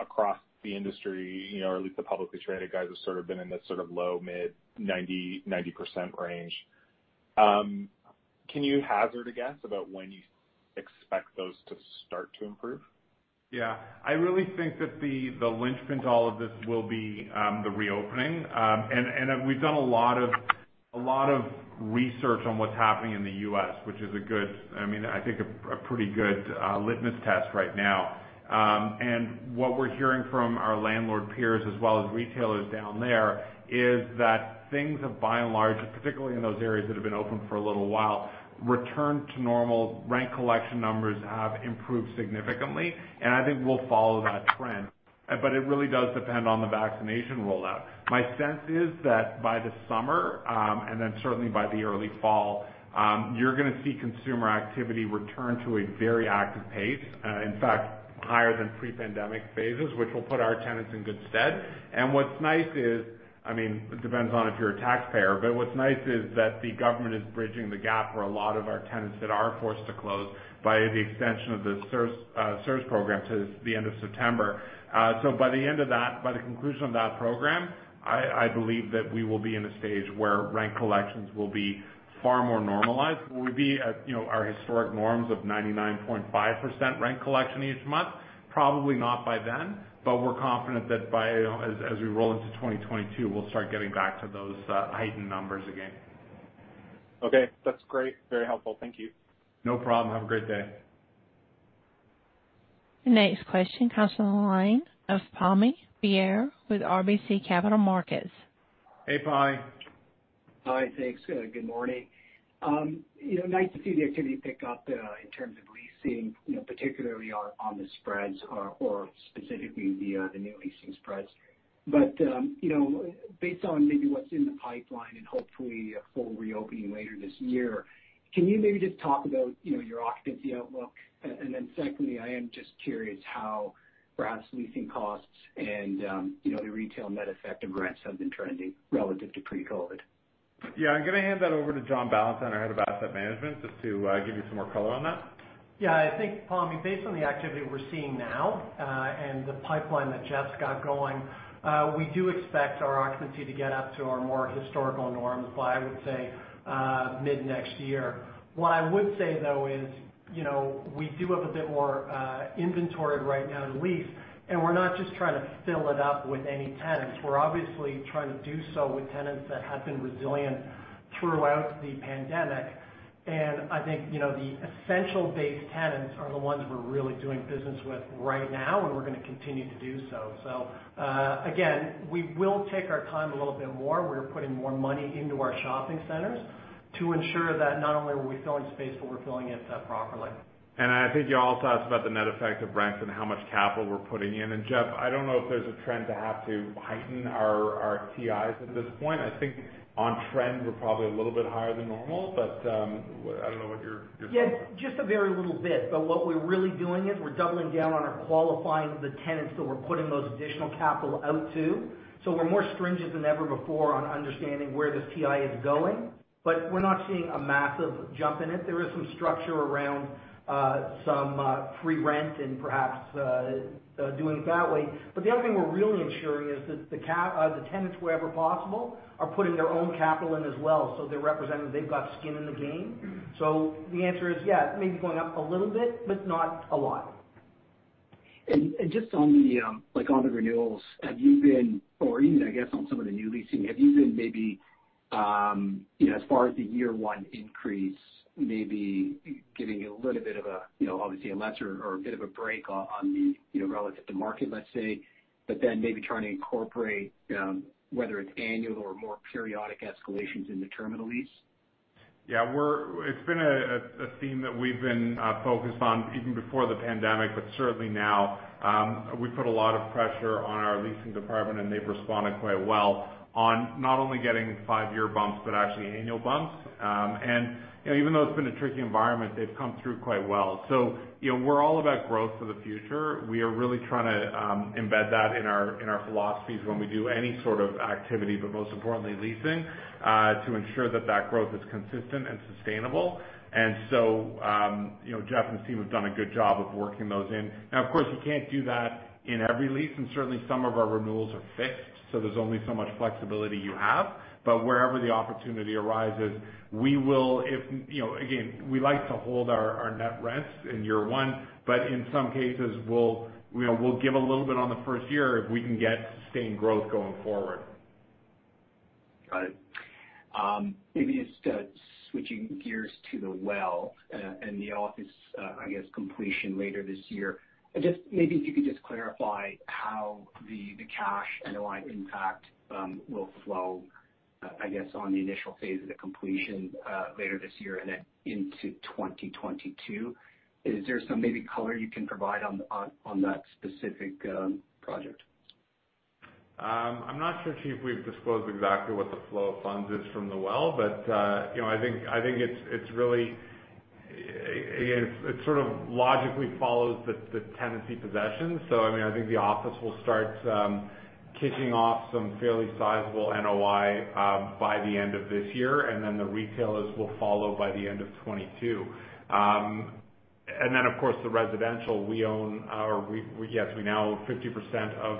across the industry, or at least the publicly-traded guys, have sort of been in this sort of low, mid 90% range. Can you hazard a guess about when you expect those to start to improve? Yeah. I really think that the linchpin to all of this will be the reopening. We've done a lot of research on what's happening in the U.S., which is a good, I think, a pretty good litmus test right now. What we're hearing from our landlord peers as well as retailers down there is that things have by and large, particularly in those areas that have been open for a little while, returned to normal. Rent collection numbers have improved significantly, and I think we'll follow that trend. It really does depend on the vaccination rollout. My sense is that by the summer, and then certainly by the early fall, you're going to see consumer activity return to a very active pace. In fact, higher than pre-pandemic phases, which will put our tenants in good stead. What's nice is, it depends on if you're a taxpayer, but what's nice is that the government is bridging the gap for a lot of our tenants that are forced to close by the extension of the CERS program to the end of September. By the conclusion of that program, I believe that we will be in a stage where rent collections will be far more normalized. Will we be at our historic norms of 99.5% rent collection each month? Probably not by then, but we're confident that as we roll into 2022, we'll start getting back to those heightened numbers again. Okay. That's great. Very helpful. Thank you. No problem. Have a great day. The next question comes on the line of Pammi Bir with RBC Capital Markets. Hey, Pam. Hi. Thanks. Good morning. Nice to see the activity pick up in terms of leasing, particularly on the spreads or specifically the new leasing spreads. Based on maybe what's in the pipeline and hopefully a full reopening later this year, can you maybe just talk about your occupancy outlook? Secondly, I am just curious how perhaps leasing costs and the retail net effect of rents have been trending relative to pre-COVID. Yeah, I'm going to hand that over to John Ballantyne, our Head of Asset Management, just to give you some more color on that. Yeah, I think, Pammi Bir, based on the activity we're seeing now, and the pipeline that Jeff Ross's got going, we do expect our occupancy to get up to our more historical norms by, I would say, mid-next year. What I would say, though, is we do have a bit more inventory right now to lease, and we're not just trying to fill it up with any tenants. We're obviously trying to do so with tenants that have been resilient throughout the pandemic. I think, the essential-based tenants are the ones we're really doing business with right now, and we're going to continue to do so. Again, we will take our time a little bit more. We're putting more money into our shopping centers to ensure that not only are we filling space, but we're filling it properly. I think you also asked about the net effect of rents and how much capital we're putting in. Jeff, I don't know if there's a trend to have to heighten our TIs at this point. I think on trend, we're probably a little bit higher than normal. I don't know what your thoughts are. Yeah. Just a very little bit, what we're really doing is we're doubling down on our qualifying the tenants that we're putting most additional capital out to. We're more stringent than ever before on understanding where this TI is going. We're not seeing a massive jump in it. There is some structure around some free rent and perhaps doing it that way. The other thing we're really ensuring is that the tenants, wherever possible, are putting their own capital in as well. They're representing they've got skin in the game. The answer is, yeah, it may be going up a little bit, but not a lot. Just on the renewals, have you been, or even, I guess, on some of the new leasing, have you been maybe, as far as the year one increase, maybe giving a little bit of, obviously a lesser or a bit of a break on the relative to market, let's say, but then maybe trying to incorporate, whether it's annual or more periodic escalations in the terminal lease? It's been a theme that we've been focused on even before the pandemic, but certainly now. We put a lot of pressure on our leasing department, they've responded quite well on not only getting five-year bumps but actually annual bumps. Even though it's been a tricky environment, they've come through quite well. We're all about growth for the future. We are really trying to embed that in our philosophies when we do any sort of activity, but most importantly leasing, to ensure that that growth is consistent and sustainable. Jeff and team have done a good job of working those in. Of course, you can't do that in every lease, and certainly some of our renewals are fixed, so there's only so much flexibility you have. Wherever the opportunity arises, again, we like to hold our net rents in year one, but in some cases, we'll give a little bit on the first year if we can get sustained growth going forward. Got it. Maybe just switching gears to The Well, and the office, I guess, completion later this year. Maybe if you could just clarify how the cash NOI impact will flow, I guess, on the initial phase of the completion later this year and then into 2022. Is there some maybe color you can provide on that specific project? I'm not sure, Qi, if we've disclosed exactly what the flow of funds is from The Well, but I think it sort of logically follows the tenancy possession. I think the office will start kicking off some fairly sizable NOI by the end of this year, and then the retailers will follow by the end of 2022. Of course, the residential, we now own 50% of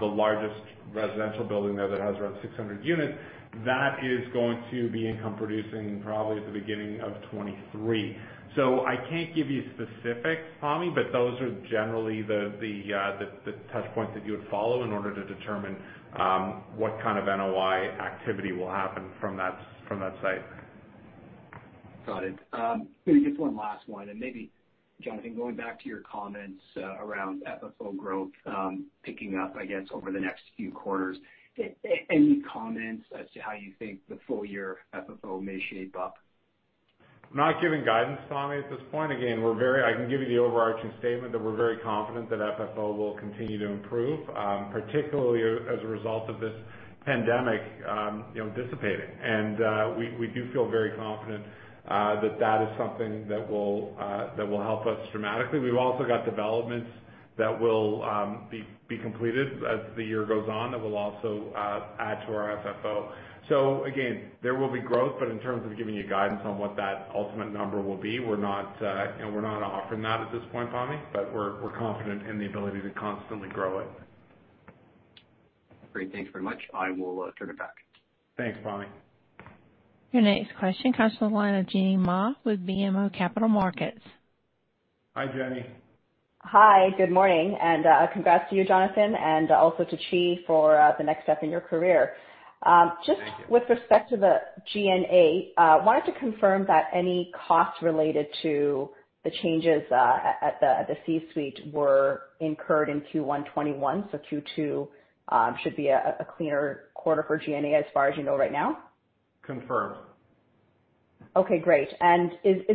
the largest residential building there that has around 600 units. That is going to be income producing probably at the beginning of 2023. I can't give you specifics, Pammi, but those are generally the touch points that you would follow in order to determine what kind of NOI activity will happen from that site. Got it. Maybe just one last one, and maybe Jonathan, going back to your comments around FFO growth picking up, I guess, over the next few quarters. Any comments as to how you think the full year FFO may shape up? I'm not giving guidance, Pammi Bir, at this point. Again, I can give you the overarching statement that we're very confident that FFO will continue to improve, particularly as a result of this pandemic dissipating. We do feel very confident that that is something that will help us dramatically. We've also got developments that will be completed as the year goes on that will also add to our FFO. Again, there will be growth, but in terms of giving you guidance on what that ultimate number will be, we're not offering that at this point, Pammi Bir, but we're confident in the ability to constantly grow it. Great. Thanks very much. I will turn it back. Thanks, Pammi. Your next question comes from the line of Jenny Ma with BMO Capital Markets. Hi, Jenny. Hi, good morning, congrats to you, Jonathan, and also to Qi for the next step in your career. Thank you. With respect to the G&A, I wanted to confirm that any costs related to the changes at the C-suite were incurred in Q1 2021, so Q2 should be a cleaner quarter for G&A as far as you know right now? Confirmed. Okay, great. Is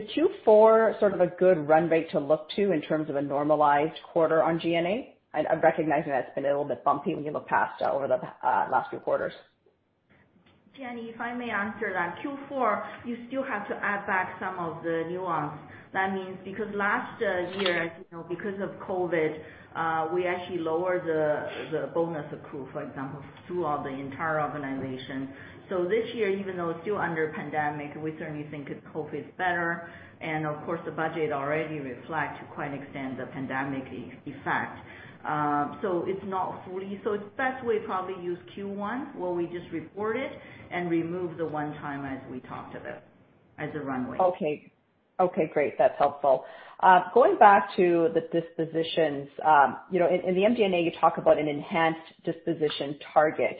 Q4 sort of a good run rate to look to in terms of a normalized quarter on G&A? I'm recognizing that it's been a little bit bumpy when you look past over the last few quarters. Jenny, if I may answer that. Q4, you still have to add back some of the nuance. That means because last year, because of COVID, we actually lowered the bonus accrual, for example, through the entire organization. This year, even though it's still under pandemic, we certainly think COVID is better. Of course, the budget already reflects to quite an extent the pandemic effect. It's not fully. It's best we probably use Q1 where we just report it and remove the one time as we talked about as a runway. Okay, great. That's helpful. Going back to the dispositions. In the MD&A, you talk about an enhanced disposition target.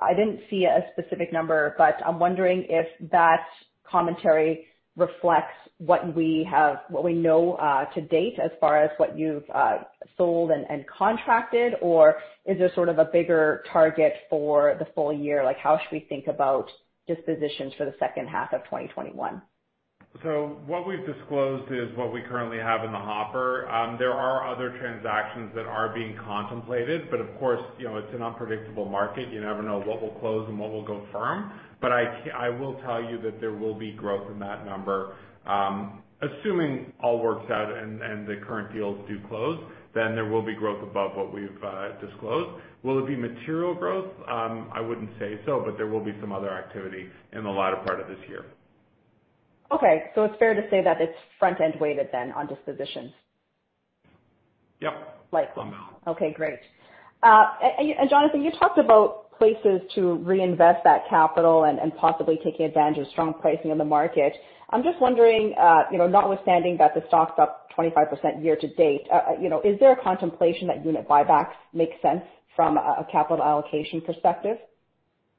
I didn't see a specific number, but I'm wondering if that commentary reflects what we know to date as far as what you've sold and contracted, or is this sort of a bigger target for the full year? How should we think about dispositions for the second half of 2021? What we've disclosed is what we currently have in the hopper. There are other transactions that are being contemplated, but of course, it's an unpredictable market. You never know what will close and what will go firm. I will tell you that there will be growth in that number. Assuming all works out and the current deals do close, then there will be growth above what we've disclosed. Will it be material growth? I wouldn't say so, but there will be some other activity in the latter part of this year. Okay. It's fair to say that it's front-end weighted then on dispositions. Yep. Like somehow. Okay, great. Jonathan, you talked about places to reinvest that capital and possibly taking advantage of strong pricing in the market. I'm just wondering, notwithstanding that the stock's up 25% year-to-date, is there a contemplation that unit buybacks make sense from a capital allocation perspective?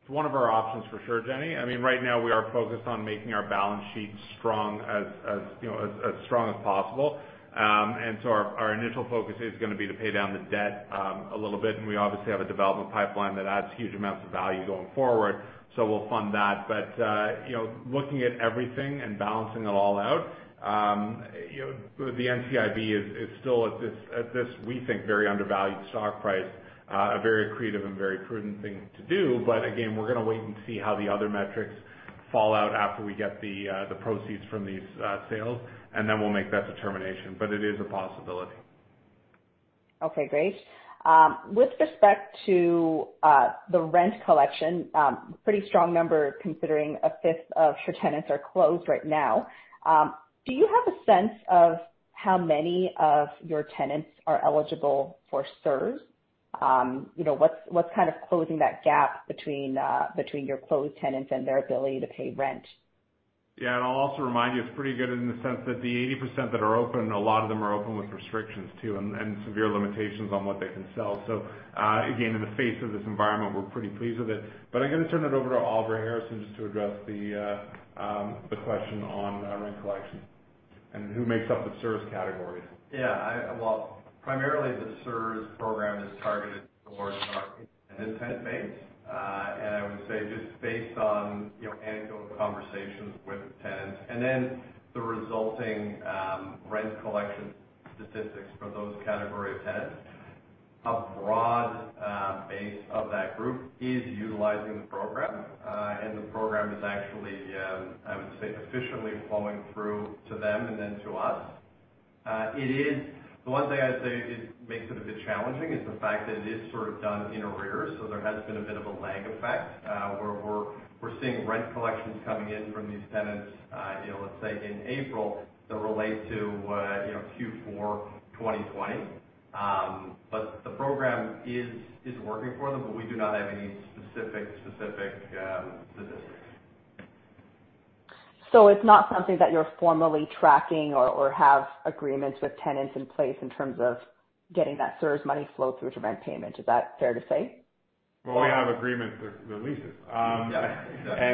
It's one of our options for sure, Jenny. Right now we are focused on making our balance sheet as strong as possible. Our initial focus is going to be to pay down the debt a little bit, and we obviously have a development pipeline that adds huge amounts of value going forward. We'll fund that. Looking at everything and balancing it all out, the NCIB is still at this, we think, very undervalued stock price, a very creative and very prudent thing to do. Again, we're going to wait and see how the other metrics fall out after we get the proceeds from these sales, and then we'll make that determination. It is a possibility. Okay, great. With respect to the rent collection, pretty strong number considering a fifth of your tenants are closed right now. Do you have a sense of how many of your tenants are eligible for CERS? What's kind of closing that gap between your closed tenants and their ability to pay rent? I'll also remind you it's pretty good in the sense that the 80% that are open, a lot of them are open with restrictions too, and severe limitations on what they can sell. Again, in the face of this environment, we're pretty pleased with it. I'm going to turn it over to Oliver Harrison just to address the question on rent collection and who makes up the CERS categories. Yeah. Well, primarily the CERS program is targeted towards our independent tenant base. I would say just based on anecdotal conversations with tenants and then the resulting rent collection statistics for those category of tenants, a broad base of that group is utilizing the program. The program is actually, I would say, efficiently flowing through to them and then to us. The one thing I'd say makes it a bit challenging is the fact that it is sort of done in arrears, so there has been a bit of a lag effect. We're seeing rent collections coming in from these tenants let's say in April that relate to Q4 2020. The program is working for them, but we do not have any specific statistics. It's not something that you're formally tracking or have agreements with tenants in place in terms of getting that CERS money flow through to rent payment. Is that fair to say? Well, we have agreements. They're leases. Yeah,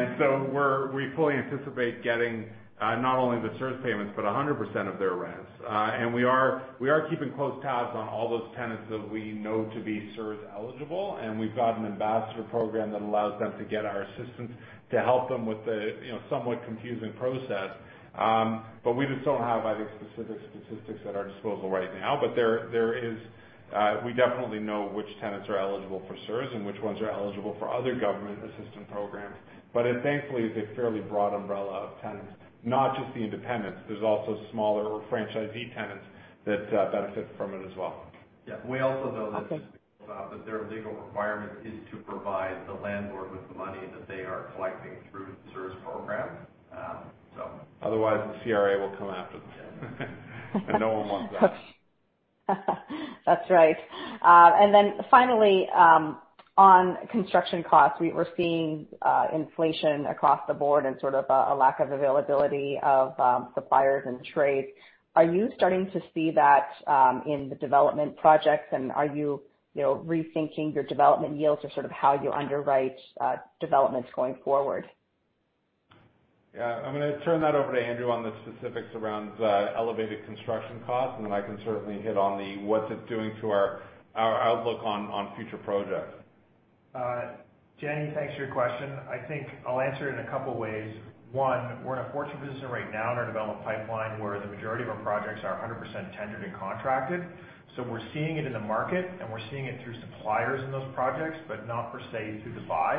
exactly. We fully anticipate getting not only the CERS payments, but 100% of their rents. We are keeping close tabs on all those tenants that we know to be CERS eligible, and we've got an ambassador program that allows them to get our assistance to help them with the somewhat confusing process. We just don't have, I think, specific statistics at our disposal right now. We definitely know which tenants are eligible for CERS and which ones are eligible for other government assistance programs. It thankfully is a fairly broad umbrella of tenants, not just the independents. There's also smaller franchisee tenants that benefit from it as well. Yeah. We also know that their legal requirement is to provide the landlord with the money that they are collecting through the CERS program. Otherwise, the CRA will come after them. No one wants that. That's right. Then finally, on construction costs, we're seeing inflation across the board and sort of a lack of availability of suppliers and trades. Are you starting to see that in the development projects, and are you rethinking your development yields or sort of how you underwrite developments going forward? Yeah. I'm going to turn that over to Andrew on the specifics around elevated construction costs, and then I can certainly hit on the what's it doing to our outlook on future projects. Jenny, thanks for your question. I think I'll answer it in a couple of ways. One, we're in a fortunate position right now in our development pipeline where the majority of our projects are 100% tendered and contracted. We're seeing it in the market, and we're seeing it through suppliers in those projects, but not per se through the buy.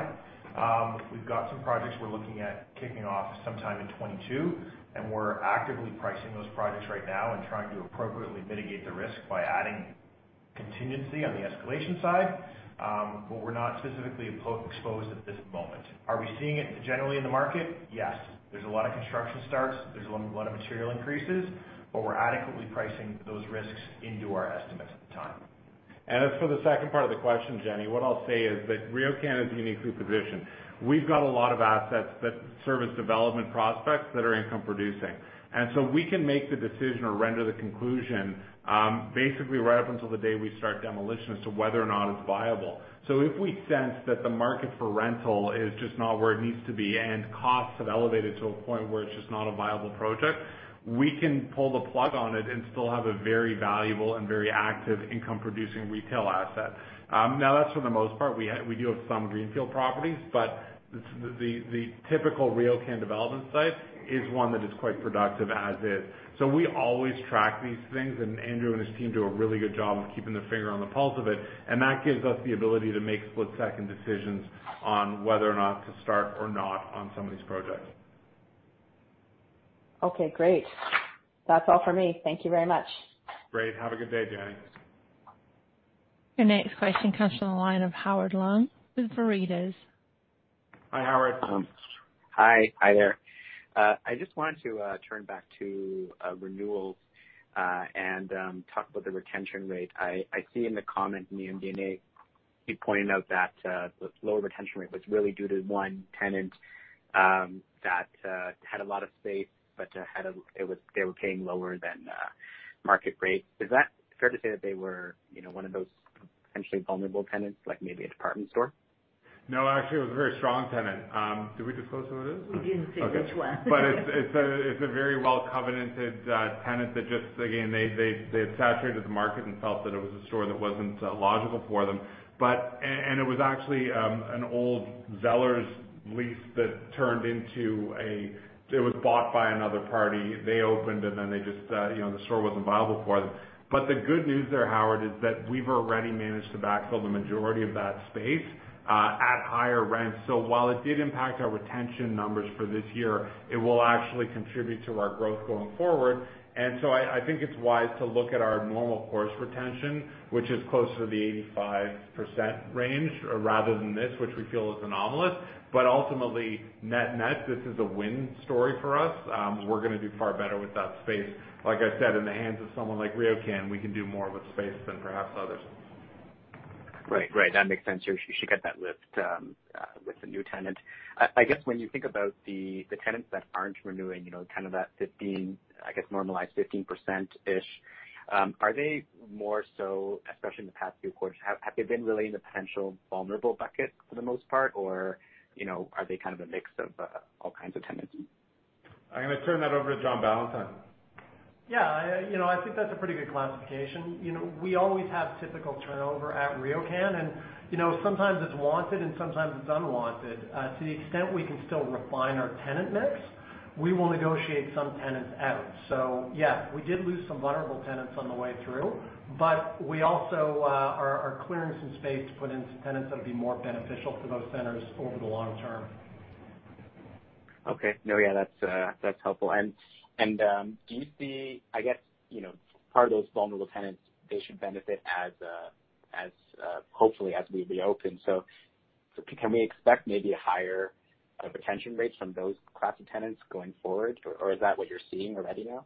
We've got some projects we're looking at kicking off sometime in 2022, and we're actively pricing those projects right now and trying to appropriately mitigate the risk by adding contingency on the escalation side. We're not specifically exposed at this moment. Are we seeing it generally in the market? Yes. There's a lot of construction starts, there's a lot of material increases, but we're adequately pricing those risks into our estimates at the time. As for the second part of the question, Jenny, what I'll say is that RioCan is uniquely positioned. We've got a lot of assets that serve as development prospects that are income producing. We can make the decision or render the conclusion, basically right up until the day we start demolition as to whether or not it's viable. If we sense that the market for rental is just not where it needs to be and costs have elevated to a point where it's just not a viable project, we can pull the plug on it and still have a very valuable and very active income producing retail asset. That's for the most part. We do have some greenfield properties, but the typical RioCan development site is one that is quite productive as is. We always track these things, and Andrew and his team do a really good job of keeping their finger on the pulse of it, and that gives us the ability to make split-second decisions on whether or not to start or not on some of these projects. Okay, great. That's all for me. Thank you very much. Great. Have a good day, Jenny. Your next question comes from the line of Howard Leung with Veritas. Hi, Howard. Hi there. I just wanted to turn back to renewals, and talk about the retention rate. I see in the comment in the MD&A, you pointed out that the lower retention rate was really due to one tenant that had a lot of space, but they were paying lower than market rate. Is that fair to say that they were one of those potentially vulnerable tenants, like maybe a department store? No, actually, it was a very strong tenant. Did we disclose who it is? We didn't say which one. It's a very well-covenanted tenant that just again, they had saturated the market and felt that it was a store that wasn't logical for them. It was actually an old Zellers lease that it was bought by another party. They opened then the store wasn't viable for them. The good news there, Howard, is that we've already managed to backfill the majority of that space at higher rents. While it did impact our retention numbers for this year, it will actually contribute to our growth going forward. I think it's wise to look at our normal course retention, which is closer to the 85% range rather than this, which we feel is anomalous. Ultimately, net-net, this is a win story for us. We're going to do far better with that space. Like I said, in the hands of someone like RioCan, we can do more with space than perhaps others. Right. That makes sense. You should get that lift with the new tenant. I guess when you think about the tenants that aren't renewing, kind of that 15%, I guess normalized 15%-ish, are they more so, especially in the past few quarters, have they been really in the potential vulnerable bucket for the most part, or are they kind of a mix of all kinds of tenancy? I'm going to turn that over to John Ballantyne. Yeah. I think that's a pretty good classification. We always have typical turnover at RioCan, and sometimes it's wanted and sometimes it's unwanted. To the extent we can still refine our tenant mix, we will negotiate some tenants out. Yeah, we did lose some vulnerable tenants on the way through, but we also are clearing some space to put in some tenants that would be more beneficial for those centers over the long term. Okay. No, yeah, that's helpful. Do you see, I guess, part of those vulnerable tenants, they should benefit hopefully as we reopen. Can we expect maybe a higher retention rate from those class of tenants going forward? Or is that what you're seeing already now?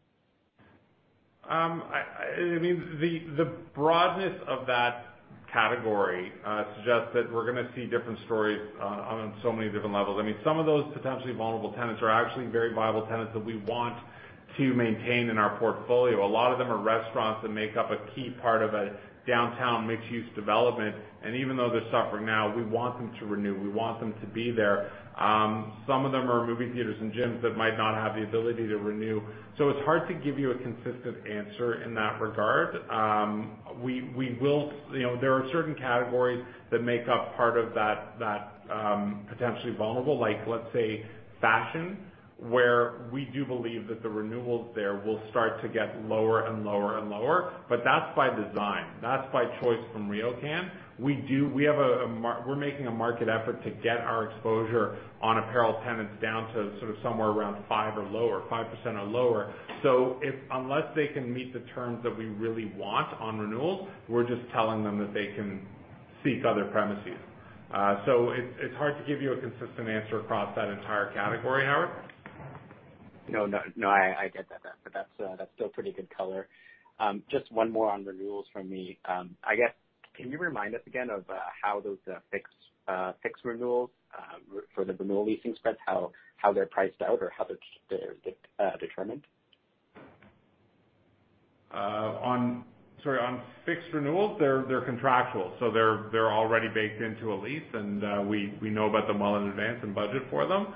The broadness of that category suggests that we're going to see different stories on so many different levels. Some of those potentially vulnerable tenants are actually very viable tenants that we want to maintain in our portfolio. A lot of them are restaurants that make up a key part of a downtown mixed-use development, and even though they're suffering now, we want them to renew. We want them to be there. Some of them are movie theaters and gyms that might not have the ability to renew. It's hard to give you a consistent answer in that regard. There are certain categories that make up part of that potentially vulnerable, like let's say fashion, where we do believe that the renewals there will start to get lower and lower and lower, but that's by design. That's by choice from RioCan. We're making a market effort to get our exposure on apparel tenants down to sort of somewhere around 5% or lower. Unless they can meet the terms that we really want on renewals, we're just telling them that they can seek other premises. It's hard to give you a consistent answer across that entire category, Howard. No, I get that. That's still pretty good color. Just one more on renewals from me. I guess, can you remind us again of how those fixed renewals, for the renewal leasing spreads, how they're priced out or how they're determined? On fixed renewals, they're contractual, so they're already baked into a lease, and we know about them well in advance and budget for them.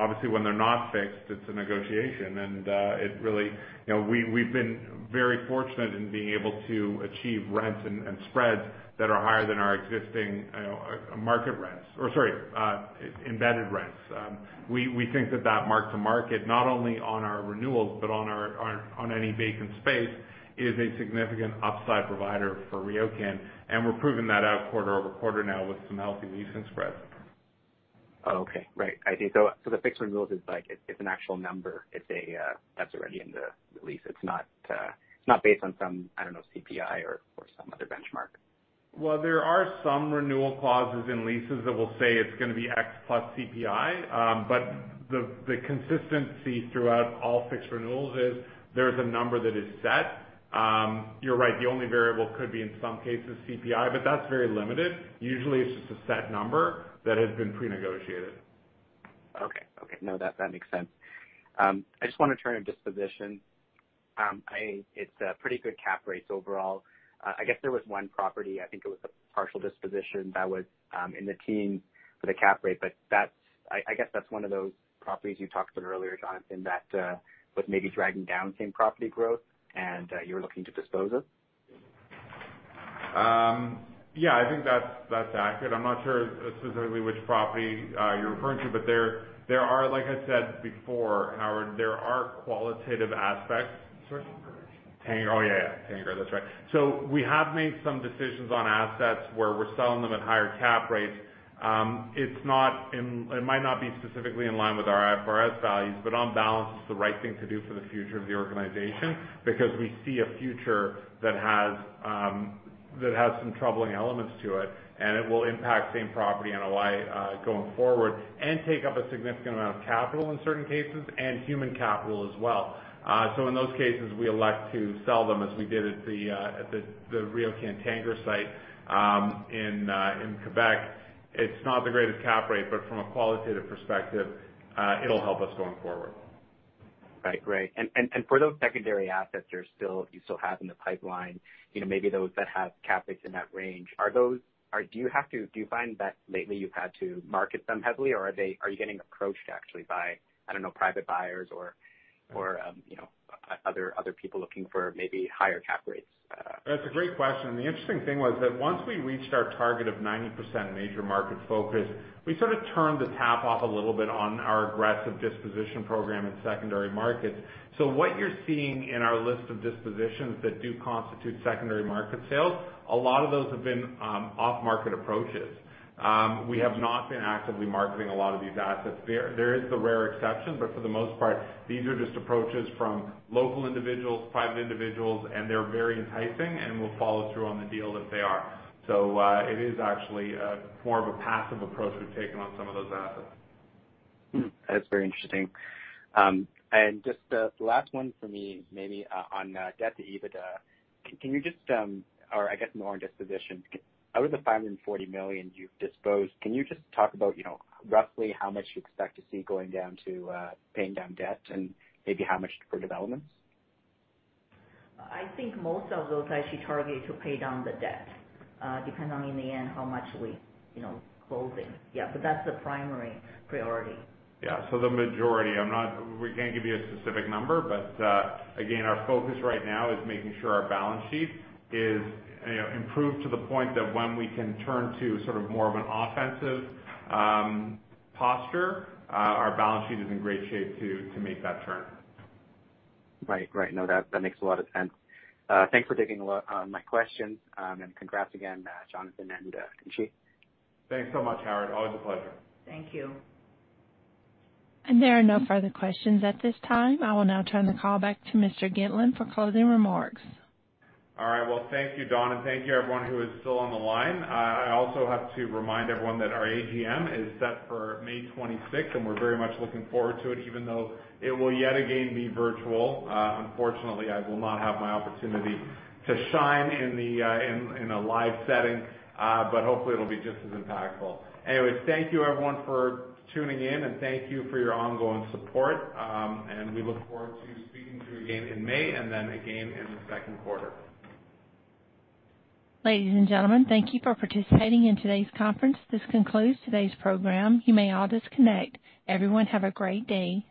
Obviously when they're not fixed, it's a negotiation. We've been very fortunate in being able to achieve rents and spreads that are higher than our existing embedded rents. We think that that mark to market, not only on our renewals but on any vacant space, is a significant upside provider for RioCan, and we're proving that out quarter-over-quarter now with some healthy leasing spreads. Oh, okay. Right. I see. The fixed renewals, it's an actual number that's already in the lease. It's not based on some, I don't know, CPI or some other benchmark. Well, there are some renewal clauses in leases that will say it's going to be X plus CPI. The consistency throughout all fixed renewals is there's a number that is set. You're right, the only variable could be, in some cases, CPI, but that's very limited. Usually it's just a set number that has been pre-negotiated. Okay. No, that makes sense. I just want to turn to disposition. It is pretty good cap rates overall. I guess there was one property, I think it was a partial disposition that was in the teens for the cap rate, but I guess that is one of those properties you talked about earlier, Jonathan, that was maybe dragging down same property growth and you were looking to dispose of. Yeah, I think that's accurate. I'm not sure specifically which property you're referring to, but there are, like I said before, Howard, there are qualitative aspects. Sorry? Tanger. Tanger, that's right. We have made some decisions on assets where we're selling them at higher cap rates. It might not be specifically in line with our IFRS values, but on balance, it's the right thing to do for the future of the organization because we see a future that has some troubling elements to it, and it will impact same property NOI going forward and take up a significant amount of capital in certain cases, and human capital as well. In those cases, we elect to sell them as we did at the RioCan Tanger site in Quebec. It's not the greatest cap rate, but from a qualitative perspective, it'll help us going forward. Right. For those secondary assets you still have in the pipeline, maybe those that have cap rates in that range, do you find that lately you've had to market them heavily or are you getting approached actually by, I don't know, private buyers or other people looking for maybe higher cap rates? That's a great question. The interesting thing was that once we reached our target of 90% major market focus, we sort of turned the tap off a little bit on our aggressive disposition program in secondary markets. What you're seeing in our list of dispositions that do constitute secondary market sales, a lot of those have been off-market approaches. We have not been actively marketing a lot of these assets. There is the rare exception, but for the most part, these are just approaches from local individuals, private individuals, and they're very enticing and we'll follow through on the deal if they are. It is actually more of a passive approach we've taken on some of those assets. That's very interesting. Just the last one for me, maybe on debt to EBITDA. I guess more on disposition. Out of the 540 million you've disposed, can you just talk about roughly how much you expect to see going down to paying down debt and maybe how much for developments? I think most of those are actually targeted to pay down the debt. Depends on in the end how much we closing. Yeah. That's the primary priority. Yeah. The majority, we can't give you a specific number, but again, our focus right now is making sure our balance sheet is improved to the point that when we can turn to sort of more of an offensive posture, our balance sheet is in great shape to make that turn. Right. No, that makes a lot of sense. Thanks for taking my questions and congrats again, Jonathan and Qi Tang. Thanks so much, Howard. Always a pleasure. Thank you. There are no further questions at this time. I will now turn the call back to Mr. Gitlin for closing remarks. All right. Well, thank you, Dawn, and thank you everyone who is still on the line. I also have to remind everyone that our AGM is set for May 26th and we're very much looking forward to it, even though it will yet again be virtual. Unfortunately, I will not have my opportunity to shine in a live setting. Hopefully it'll be just as impactful. Thank you everyone for tuning in, and thank you for your ongoing support. We look forward to speaking to you again in May and then again in the second quarter. Ladies and gentlemen, thank you for participating in today's conference. This concludes today's program. You may all disconnect. Everyone have a great day.